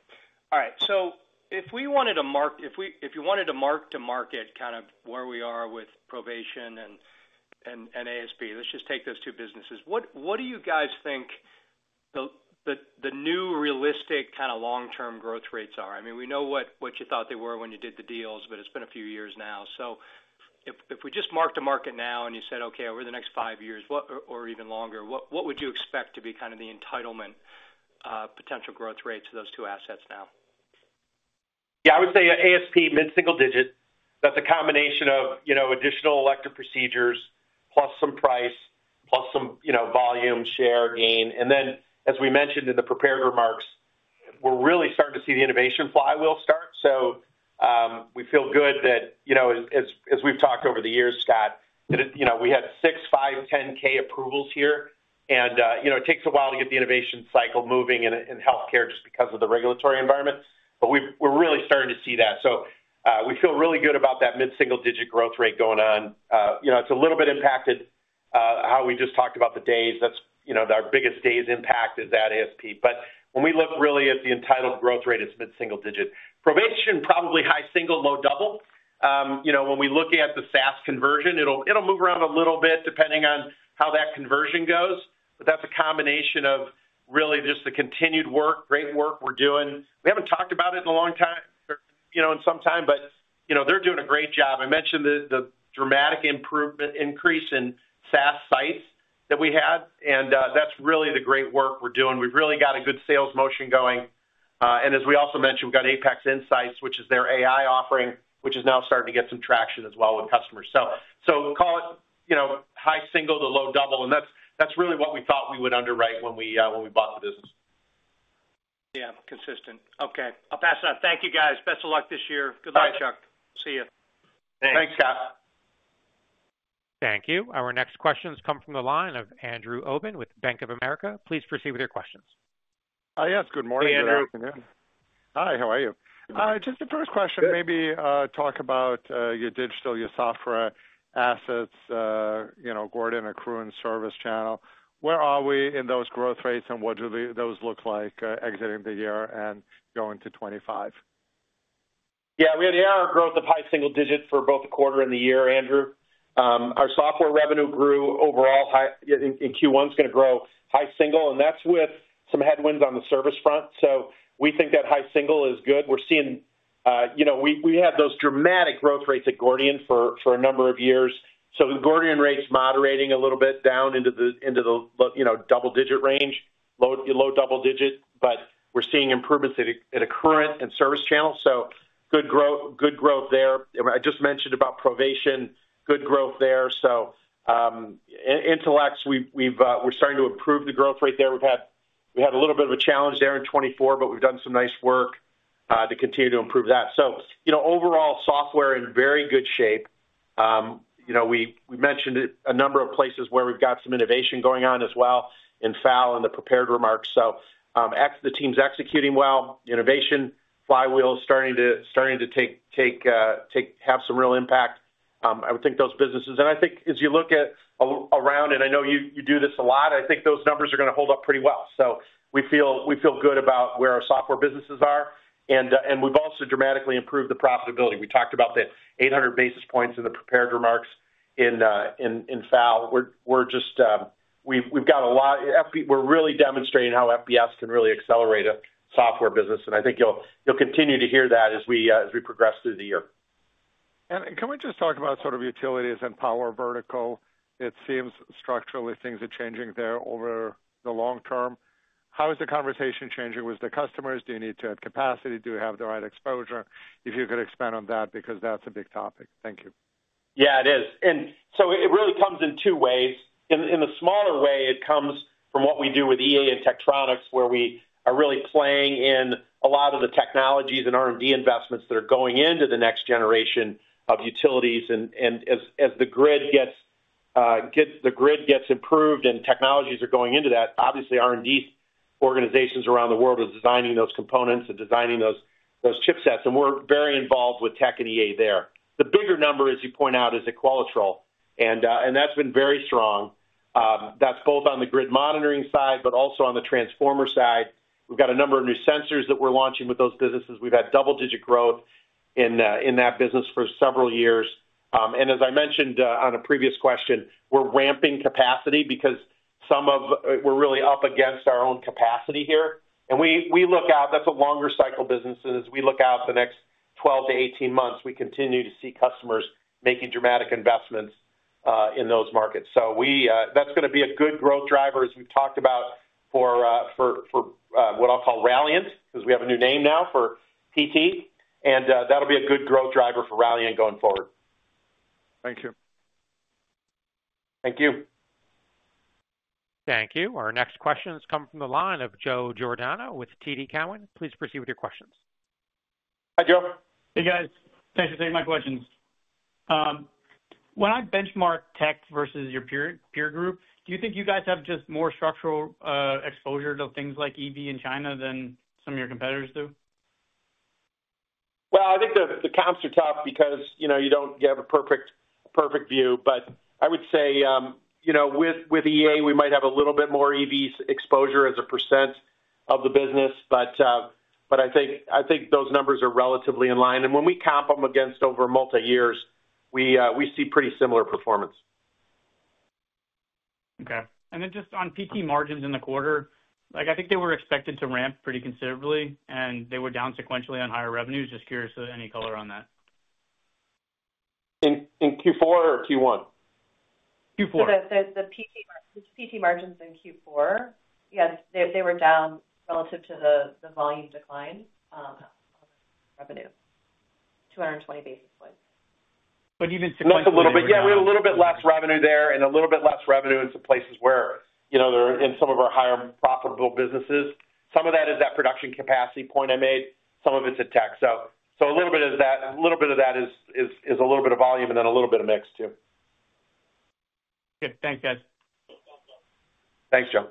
All right. So if we wanted to mark to market kind of where we are with Provation and ASP, let's just take those two businesses. What do you guys think the new realistic kind of long-term growth rates are? I mean, we know what you thought they were when you did the deals, but it's been a few years now. So if we just mark to market now and you said, "Okay, over the next five years," or even longer, what would you expect to be kind of the entitlement potential growth rates of those two assets now? Yeah. I would say ASP mid-single digit. That's a combination of additional elective procedures plus some price plus some volume share gain. And then, as we mentioned in the prepared remarks, we're really starting to see the innovation flywheel start. So we feel good that, as we've talked over the years, Scott, we had 510(k) approvals here. And it takes a while to get the innovation cycle moving in healthcare just because of the regulatory environment. But we're really starting to see that. So we feel really good about that mid-single digit growth rate going on. It's a little bit impacted how we just talked about the days. That's our biggest days impact is at ASP. But when we look really at the entitled growth rate, it's mid-single digit. Provation, probably high single, low double. When we look at the SaaS conversion, it'll move around a little bit depending on how that conversion goes. But that's a combination of really just the continued work, great work we're doing. We haven't talked about it in a long time in some time, but they're doing a great job. I mentioned the dramatic increase in SaaS sites that we had, and that's really the great work we're doing. We've really got a good sales motion going. And as we also mentioned, we've got Apex Insights, which is their AI offering, which is now starting to get some traction as well with customers. So call it high single to low double. And that's really what we thought we would underwrite when we bought the business. Yeah. Consistent. Okay. I'll pass it on. Thank you, guys. Best of luck this year. Good luck, Chuck. See you. Thanks, Scott. Thank you. Our next questions come from the line of Andrew Obin with Bank of America. Please proceed with your questions. Hi, yes. Good morning, Andrew. Hey, Andrew. Hi. How are you? Just the first question, maybe talk about your digital, your software assets, Gordian, Accruent, ServiceChannel. Where are we in those growth rates and what do those look like exiting the year and going to 2025? Yeah. We had core growth of high single digits for both the quarter and the year, Andrew. Our software revenue grew overall in Q1 is going to grow high single, and that's with some headwinds on the service front. So we think that high single is good. We're seeing we had those dramatic growth rates at Gordian for a number of years. So the Gordian rate's moderating a little bit down into the double-digit range, low double digit. But we're seeing improvements in Accruent and service channel. So good growth there. I just mentioned about Provation, good growth there. So Intelex, we're starting to improve the growth rate there. We've had a little bit of a challenge there in 2024, but we've done some nice work to continue to improve that. So overall, software in very good shape. We mentioned a number of places where we've got some innovation going on as well in FAL and the prepared remarks. So the team's executing well. Innovation, flywheel starting to have some real impact. I would think those businesses and I think as you look around, and I know you do this a lot, I think those numbers are going to hold up pretty well. So we feel good about where our software businesses are. And we've also dramatically improved the profitability. We talked about the 800 basis points in the prepared remarks in FAL. We've got a lot we're really demonstrating how FBS can really accelerate a software business. And I think you'll continue to hear that as we progress through the year. Can we just talk about sort of utilities and power vertical? It seems structurally things are changing there over the long term. How is the conversation changing with the customers? Do you need to add capacity? Do you have the right exposure? If you could expand on that because that's a big topic. Thank you. Yeah, it is. And so it really comes in two ways. In the smaller way, it comes from what we do with EA and Tektronix, where we are really playing in a lot of the technologies and R&D investments that are going into the next generation of utilities. And as the grid gets improved and technologies are going into that, obviously, R&D organizations around the world are designing those components and designing those chipsets. And we're very involved with Tech and EA there. The bigger number, as you point out, is Qualitrol. And that's been very strong. That's both on the grid monitoring side, but also on the transformer side. We've got a number of new sensors that we're launching with those businesses. We've had double-digit growth in that business for several years. As I mentioned on a previous question, we're ramping capacity because we're really up against our own capacity here. As we look out, that's a longer cycle business. As we look out to the next 12-18 months, we continue to see customers making dramatic investments in those markets. That's going to be a good growth driver, as we've talked about, for what I'll call Ralliant, because we have a new name now for PT. That'll be a good growth driver for Ralliant going forward. Thank you. Thank you. Thank you. Our next questions come from the line of Joe Giordano with TD Cowen. Please proceed with your questions. Hi, Joe. Hey, guys. Thanks for taking my questions. When I benchmark Tech versus your peer group, do you think you guys have just more structural exposure to things like EV in China than some of your competitors do? I think the comps are tough because you don't have a perfect view. But I would say with EA, we might have a little bit more EV exposure as a percent of the business. But I think those numbers are relatively in line. And when we comp them against over multi-years, we see pretty similar performance. Okay. And then just on PT margins in the quarter, I think they were expected to ramp pretty considerably, and they were down sequentially on higher revenues. Just curious of any color on that. In Q4 or Q1? Q4. The PT margins in Q4, yes, they were down relative to the volume decline on revenue, 220 basis points. But even sequentially. Yeah, we had a little bit less revenue there and a little bit less revenue in some places where they're in some of our higher profitable businesses. Some of that is that production capacity point I made. Some of it's at Tech. So a little bit of that is a little bit of volume and then a little bit of mix too. Good. Thanks, guys. Thanks, Joe.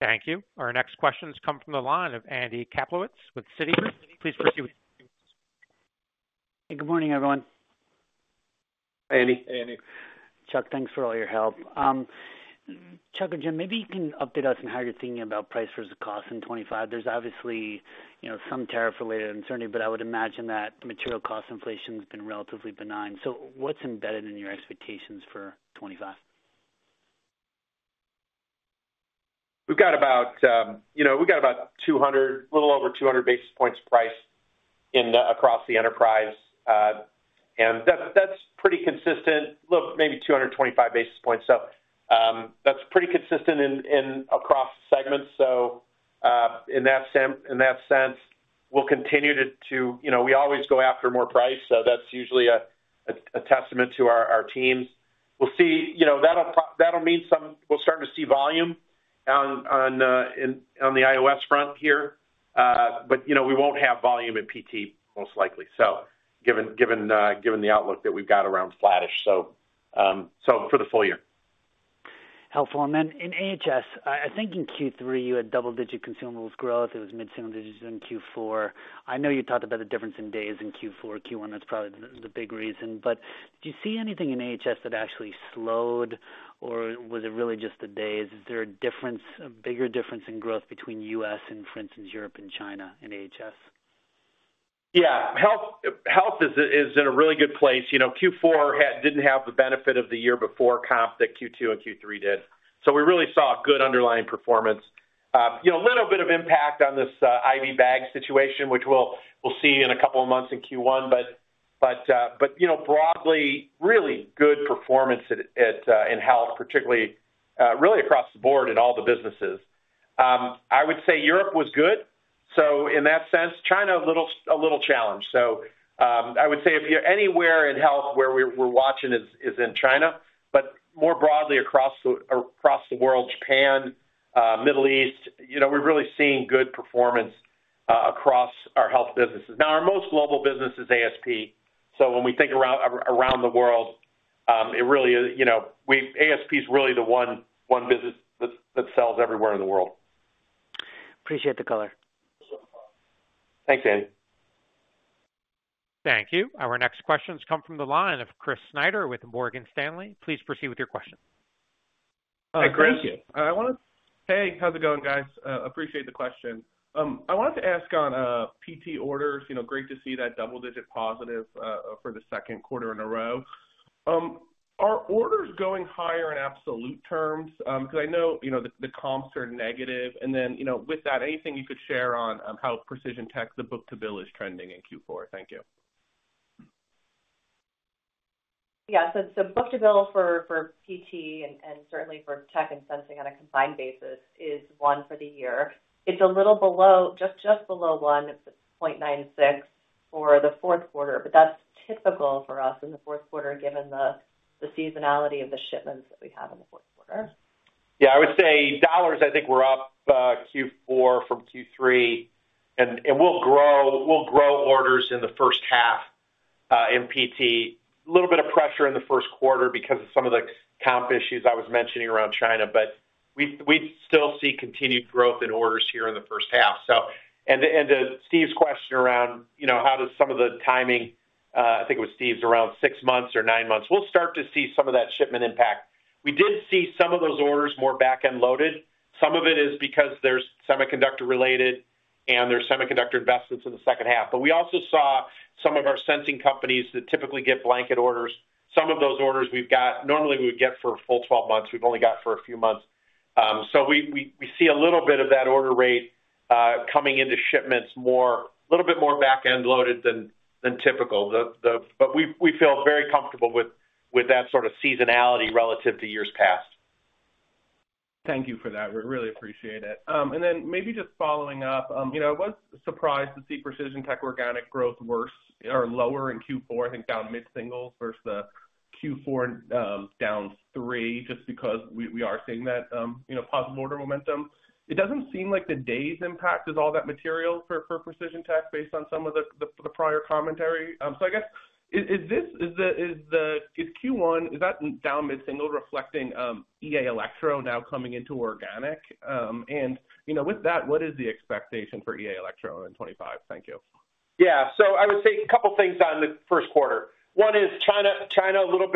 Thank you. Our next questions come from the line of Andy Kaplowitz with Citigroup. Please proceed with. Hey, good morning, everyone. Hey, Andy. Hey, Andy. Chuck, thanks for all your help. Chuck and Jim, maybe you can update us on how you're thinking about price versus cost in 2025. There's obviously some tariff-related uncertainty, but I would imagine that material cost inflation has been relatively benign. So what's embedded in your expectations for 2025? We've got about 200, a little over 200 basis points price across the enterprise, and that's pretty consistent, maybe 225 basis points, so that's pretty consistent across segments. In that sense, we'll continue, we always go after more price, so that's usually a testament to our teams. We'll see. That'll mean some, we'll start to see volume on the IOS front here, but we won't have volume at PT, most likely, given the outlook that we've got around flattish for the full year. Helpful. And then in HS, I think in Q3, you had double-digit consumables growth. It was mid-single digits in Q4. I know you talked about the difference in days in Q4, Q1. That's probably the big reason. But do you see anything in HS that actually slowed, or was it really just the days? Is there a difference, a bigger difference in growth between US and, for instance, Europe and China in HS? Yeah. Health is in a really good place. Q4 didn't have the benefit of the year before comp that Q2 and Q3 did. So we really saw good underlying performance. A little bit of impact on this IV bag situation, which we'll see in a couple of months in Q1. But broadly, really good performance in health, particularly really across the board in all the businesses. I would say Europe was good. So in that sense, China a little challenged. So I would say if you're anywhere in health where we're watching is in China. But more broadly across the world, Japan, Middle East, we're really seeing good performance across our health businesses. Now, our most global business is ASP. So when we think around the world, it really is ASP is really the one business that sells everywhere in the world. Appreciate the color. Thanks, Andy. Thank you. Our next questions come from the line of Chris Snyder with Morgan Stanley. Please proceed with your question. Hi, Chris. Thank you. Hey, how's it going, guys? Appreciate the question. I wanted to ask on PT orders, great to see that double-digit positive for the second quarter in a row. Are orders going higher in absolute terms? Because I know the comps are negative. And then with that, anything you could share on how Precision Tech, the book-to-bill, is trending in Q4? Thank you. Yeah. So book-to-bill for PT and certainly for Tech and Sensing on a combined basis is one for the year. It's a little below, just below 1.96 for the fourth quarter. But that's typical for us in the fourth quarter given the seasonality of the shipments that we have in the fourth quarter. Yeah. I would say dollars, I think, were up Q4 from Q3, and we'll grow orders in the first half in PT. A little bit of pressure in the first quarter because of some of the comp issues I was mentioning around China, but we still see continued growth in orders here in the first half. And to Steve's question around how does some of the timing, I think it was Steve's around six months or nine months, we'll start to see some of that shipment impact. We did see some of those orders more back-end loaded. Some of it is because there's semiconductor-related and there's semiconductor investments in the second half. But we also saw some of our sensing companies that typically get blanket orders. Some of those orders we've got normally we would get for a full 12 months. We've only got for a few months. So we see a little bit of that order rate coming into shipments a little bit more back-end loaded than typical. But we feel very comfortable with that sort of seasonality relative to years past. Thank you for that. We really appreciate it. And then maybe just following up, I was surprised to see Precision Tech organic growth worse or lower in Q4, I think down mid-singles versus Q4 down three just because we are seeing that positive order momentum. It doesn't seem like the days impact is all that material for Precision Tech based on some of the prior commentary. So I guess this is Q1, is that down mid-single reflecting EA Elektro now coming into organic? And with that, what is the expectation for EA Elektro in 2025? Thank you. Yeah. So I would say a couple of things on the first quarter. One is China a little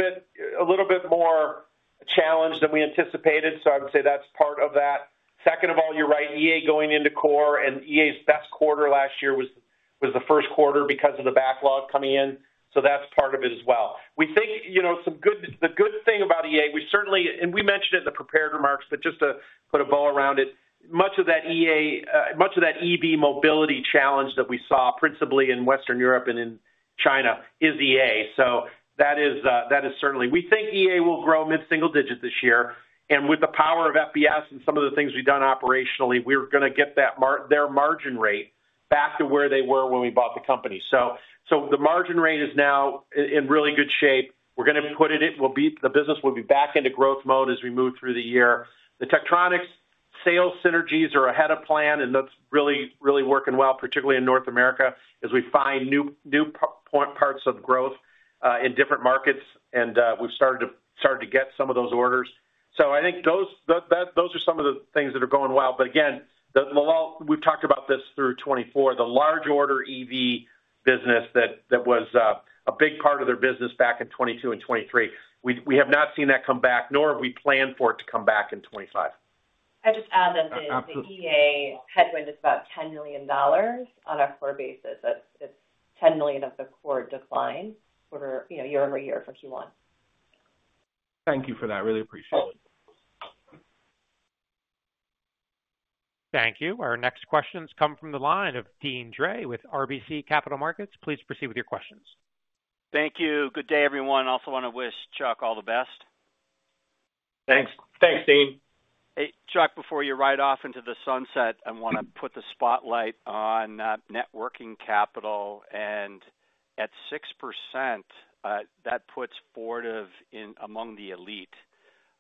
bit more challenged than we anticipated. So I would say that's part of that. Second of all, you're right, EA going into core and EA's best quarter last year was the first quarter because of the backlog coming in. So that's part of it as well. We think the good thing about EA, we certainly and we mentioned it in the prepared remarks, but just to put a bow around it, much of that EV mobility challenge that we saw principally in Western Europe and in China is EA. So that is certainly we think EA will grow mid-single digits this year. And with the power of FBS and some of the things we've done operationally, we're going to get their margin rate back to where they were when we bought the company. So the margin rate is now in really good shape. We're going to put it in the business will be back into growth mode as we move through the year. The Tektronix sales synergies are ahead of plan, and that's really working well, particularly in North America as we find new parts of growth in different markets. And we've started to get some of those orders. So I think those are some of the things that are going well. But again, we've talked about this through 2024, the large order EV business that was a big part of their business back in 2022 and 2023. We have not seen that come back, nor have we planned for it to come back in 2025. I just add that the EA headwind is about $10 million on a core basis. It's 10 million of the core decline year over year for Q1. Thank you for that. Really appreciate it. Thank you. Our next questions come from the line of Deane Dray with RBC Capital Markets. Please proceed with your questions. Thank you. Good day, everyone. Also want to wish Chuck all the best. Thanks. Thanks, Deane. Hey, Chuck, before you ride off into the sunset, I want to put the spotlight on net working capital. And at 6%, that puts Fortive among the elite.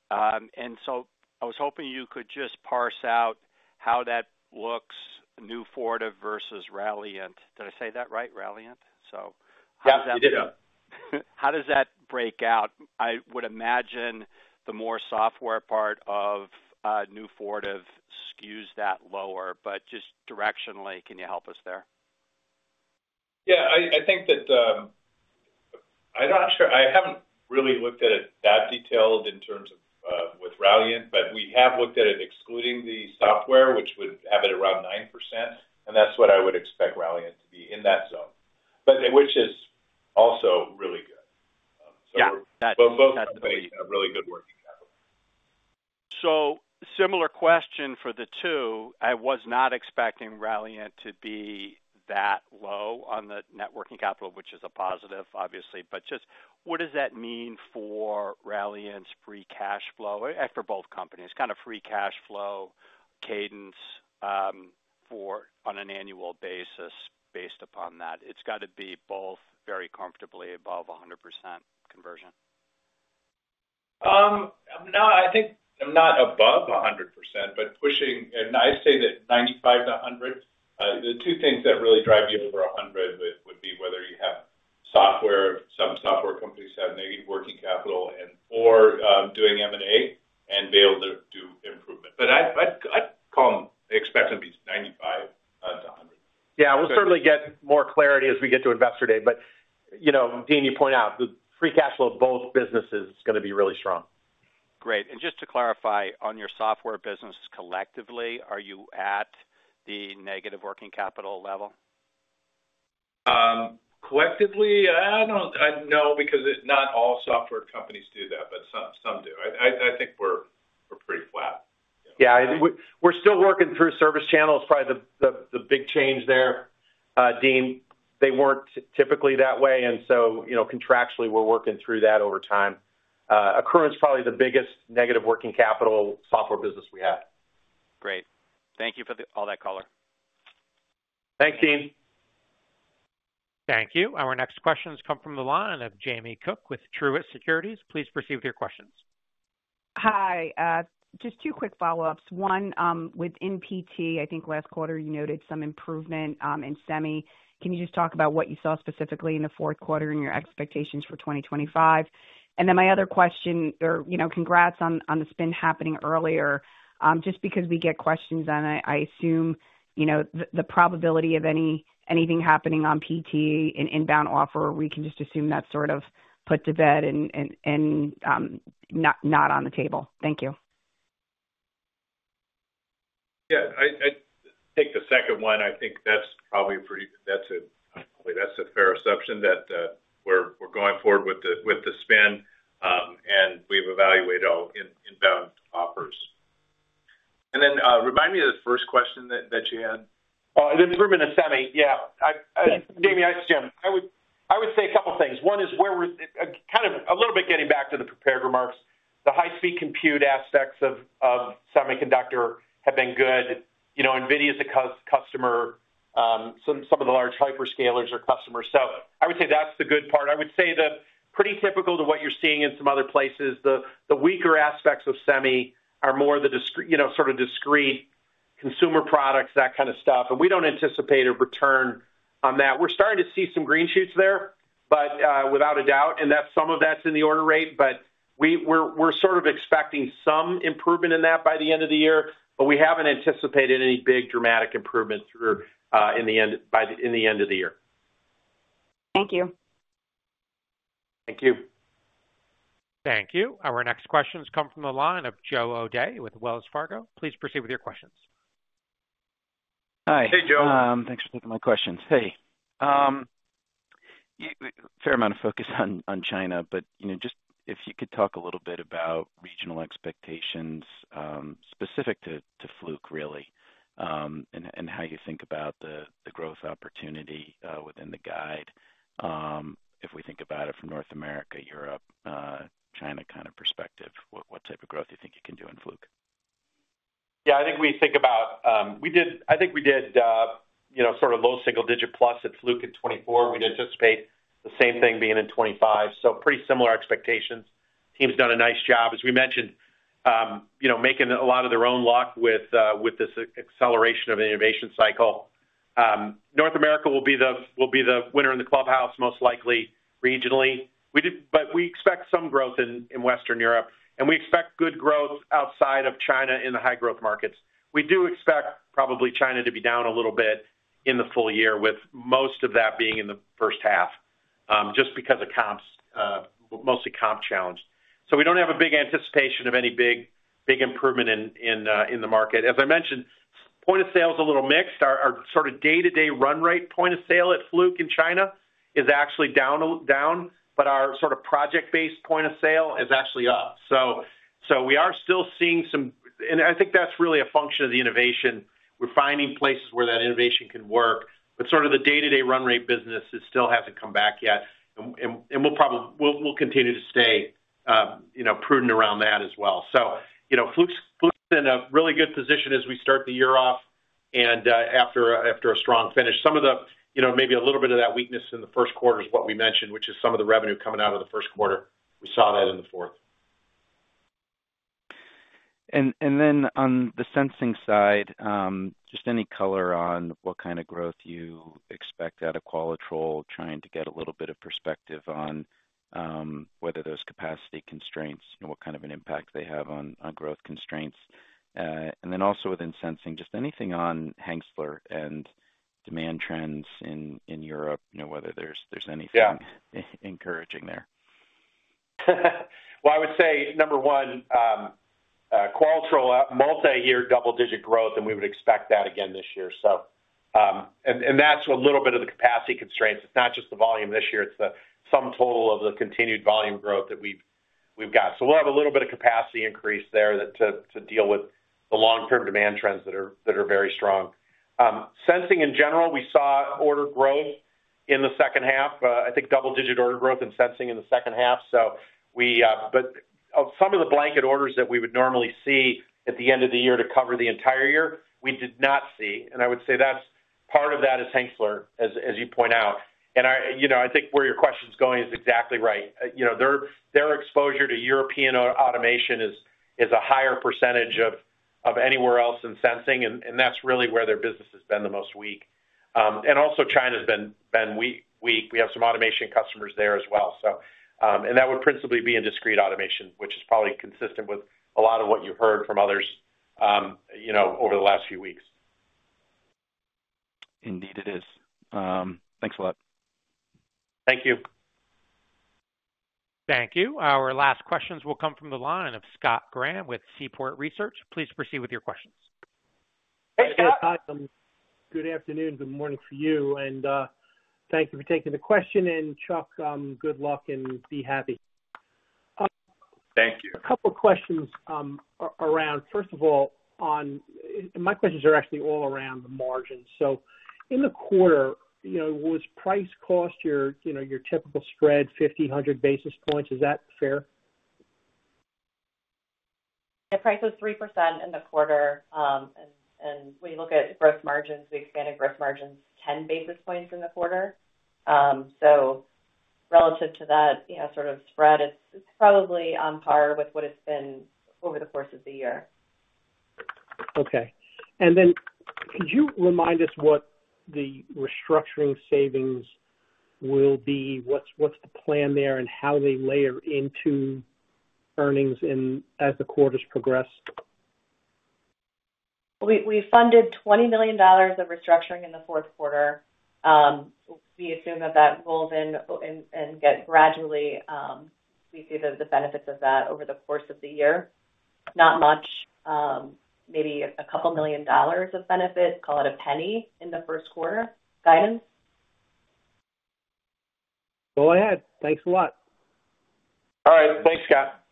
And so I was hoping you could just parse out how that looks, new Fortive versus Ralliant. Did I say that right? Ralliant? So how does that. Yeah, you did it. How does that break out? I would imagine the more software part of new Fortive skews that lower. But just directionally, can you help us there? Yeah. I think that I'm not sure. I haven't really looked at it that detailed in terms of with Ralliant, but we have looked at it excluding the software, which would have it around 9%, and that's what I would expect Ralliant to be in that zone, which is also really good, so both are really good working capital. So similar question for the two. I was not expecting Ralliant to be that low on the net working capital, which is a positive, obviously. But just what does that mean for Ralliant's free cash flow after both companies? Kind of free cash flow cadence on an annual basis based upon that. It's got to be both very comfortably above 100% conversion. No, I think not above 100%, but pushing. And I say that 95% to 100%. The two things that really drive you over 100% would be whether you have software, some software companies have negative working capital, or doing M&A and be able to do improvement. But I'd expect them to be 95% to 100%. Yeah. We'll certainly get more clarity as we get to investor day. But Deane, you point out the free cash flow of both businesses is going to be really strong. Great. And just to clarify, on your software business collectively, are you at the negative working capital level? Collectively, I don't know because not all software companies do that, but some do. I think we're pretty flat. Yeah. We're still working through service channels. Probably the big change there, Deane, they weren't typically that way. And so contractually, we're working through that over time. Accruent is probably the biggest negative working capital software business we have. Great. Thank you for all that color. Thanks, Deane. Thank you. Our next questions come from the line of Jamie Cook with Truist Securities. Please proceed with your questions. Hi. Just two quick follow-ups. One, within PT, I think last quarter you noted some improvement in semi. Can you just talk about what you saw specifically in the fourth quarter and your expectations for 2025? And then my other question, or congrats on the spin happening earlier. Just because we get questions on it, I assume the probability of anything happening on PT in an inbound offer, we can just assume that's sort of put to bed and not on the table. Thank you. Yeah. I take the second one. I think that's probably a pretty fair assumption that we're going forward with the spin. And we've evaluated all inbound offers. And then remind me of the first question that you had. An improvement in semi. Yeah. Jamie, Jim, I would say a couple of things. One is kind of a little bit getting back to the prepared remarks. The high-speed compute aspects of semiconductor have been good. NVIDIA is a customer. Some of the large hyperscalers are customers. So I would say that's the good part. I would say that pretty typical to what you're seeing in some other places, the weaker aspects of semi are more the sort of discrete consumer products, that kind of stuff. And we don't anticipate a return on that. We're starting to see some green shoots there, but without a doubt. And some of that's in the order rate. But we're sort of expecting some improvement in that by the end of the year. But we haven't anticipated any big dramatic improvement in the end of the year. Thank you. Thank you. Thank you. Our next questions come from the line of Joe O'Dea with Wells Fargo. Please proceed with your questions. Hi. Hey, Joe. Thanks for taking my questions. Hey. Fair amount of focus on China. But just if you could talk a little bit about regional expectations specific to Fluke, really, and how you think about the growth opportunity within the guide. If we think about it from North America, Europe, China kind of perspective, what type of growth do you think you can do in Fluke? Yeah. I think we did sort of low single digit plus at Fluke in 2024. We'd anticipate the same thing in 2025. Pretty similar expectations. Teams done a nice job, as we mentioned, making a lot of their own luck with this acceleration of the innovation cycle. North America will be the winner in the clubhouse, most likely regionally. We expect some growth in Western Europe. We expect good growth outside of China in the high-growth markets. We do expect probably China to be down a little bit in the full year, with most of that being in the first half just because of comps, mostly comp challenge. We don't have a big anticipation of any big improvement in the market. As I mentioned, point of sale is a little mixed. Our sort of day-to-day run rate point of sale at Fluke in China is actually down. But our sort of project-based point of sale is actually up. So we are still seeing some and I think that's really a function of the innovation. We're finding places where that innovation can work. But sort of the day-to-day run rate business still hasn't come back yet. And we'll continue to stay prudent around that as well. So Fluke's in a really good position as we start the year off and after a strong finish. Some of the maybe a little bit of that weakness in the first quarter is what we mentioned, which is some of the revenue coming out of the first quarter. We saw that in the fourth. And then, on the Sensing side, just any color on what kind of growth you expect out of Qualitrol, trying to get a little bit of perspective on whether those capacity constraints and what kind of an impact they have on growth constraints. And then also within Sensing, just anything on Hengstler and demand trends in Europe, whether there's anything encouraging there. I would say number one, Qualitrol, multi-year double-digit growth, and we would expect that again this year. That's a little bit of the capacity constraints. It's not just the volume this year. It's the sum total of the continued volume growth that we've got. We'll have a little bit of capacity increase there to deal with the long-term demand trends that are very strong. Sensing in general, we saw order growth in the second half, I think double-digit order growth in Sensing in the second half. Some of the blanket orders that we would normally see at the end of the year to cover the entire year, we did not see. I would say that's part of that is Hengstler, as you point out. I think where your question's going is exactly right. Their exposure to European automation is a higher percentage of anywhere else than Sensing, and that's really where their business has been the most weak, and also China's been weak. We have some automation customers there as well, and that would principally be in discrete automation, which is probably consistent with a lot of what you heard from others over the last few weeks. Indeed it is. Thanks a lot. Thank you. Thank you. Our last questions will come from the line of Scott Graham with Seaport Research. Please proceed with your questions. Hey, Scott. Good afternoon. Good morning for you, and thank you for taking the question, and Chuck, good luck and be happy. Thank you. A couple of questions around, first of all, my questions are actually all around the margins. So in the quarter, was price cost your typical spread 1,500 basis points? Is that fair? The price was 3% in the quarter. And when you look at gross margins, we expanded gross margins 10 basis points in the quarter. So relative to that sort of spread, it's probably on par with what it's been over the course of the year. Okay. And then could you remind us what the restructuring savings will be? What's the plan there and how they layer into earnings as the quarters progress? We funded $20 million of restructuring in the fourth quarter. We assume that that rolls in and gets gradually. We see the benefits of that over the course of the year. Not much. Maybe $2 million of benefits, call it a penny in the first quarter guidance. Go ahead. Thanks a lot. All right. Thanks, Scott.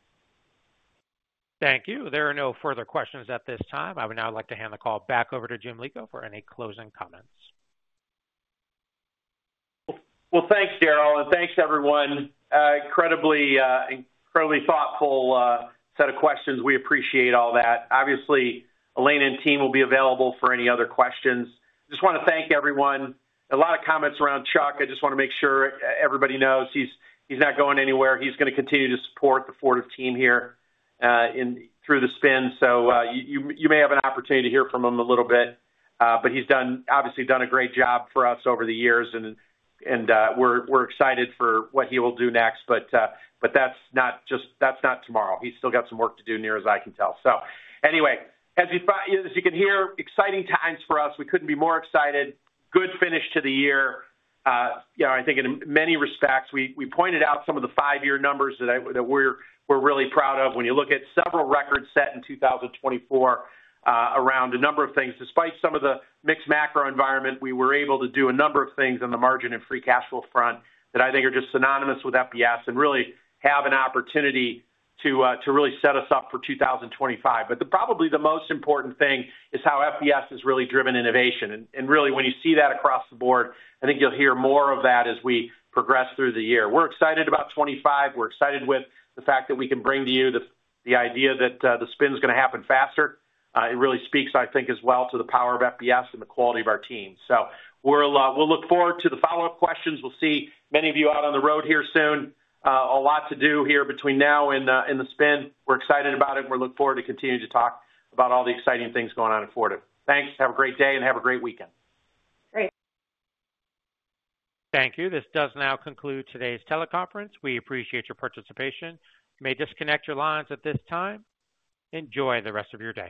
Thank you. There are no further questions at this time. I would now like to hand the call back over to Jim Lico for any closing comments. Well, thanks, Darrell. And thanks, everyone. Incredibly thoughtful set of questions. We appreciate all that. Obviously, Elena and team will be available for any other questions. Just want to thank everyone. A lot of comments around Chuck. I just want to make sure everybody knows he's not going anywhere. He's going to continue to support the Fortive team here through the spin. So you may have an opportunity to hear from him a little bit. But he's obviously done a great job for us over the years. And we're excited for what he will do next. But that's not tomorrow. He's still got some work to do near as I can tell. So anyway, as you can hear, exciting times for us. We couldn't be more excited. Good finish to the year. I think in many respects, we pointed out some of the five-year numbers that we're really proud of. When you look at several records set in 2024 around a number of things, despite some of the mixed macro environment, we were able to do a number of things on the margin and free cash flow front that I think are just synonymous with FBS and really have an opportunity to really set us up for 2025. But probably the most important thing is how FBS has really driven innovation. And really, when you see that across the board, I think you'll hear more of that as we progress through the year. We're excited about 2025. We're excited with the fact that we can bring to you the idea that the spin's going to happen faster. It really speaks, I think, as well to the power of FBS and the quality of our team. So we'll look forward to the follow-up questions. We'll see many of you out on the road here soon. A lot to do here between now and the spin. We're excited about it. We'll look forward to continuing to talk about all the exciting things going on at Fortive. Thanks. Have a great day and have a great weekend. Great. Thank you. This does now conclude today's teleconference. We appreciate your participation. May disconnect your lines at this time. Enjoy the rest of your day.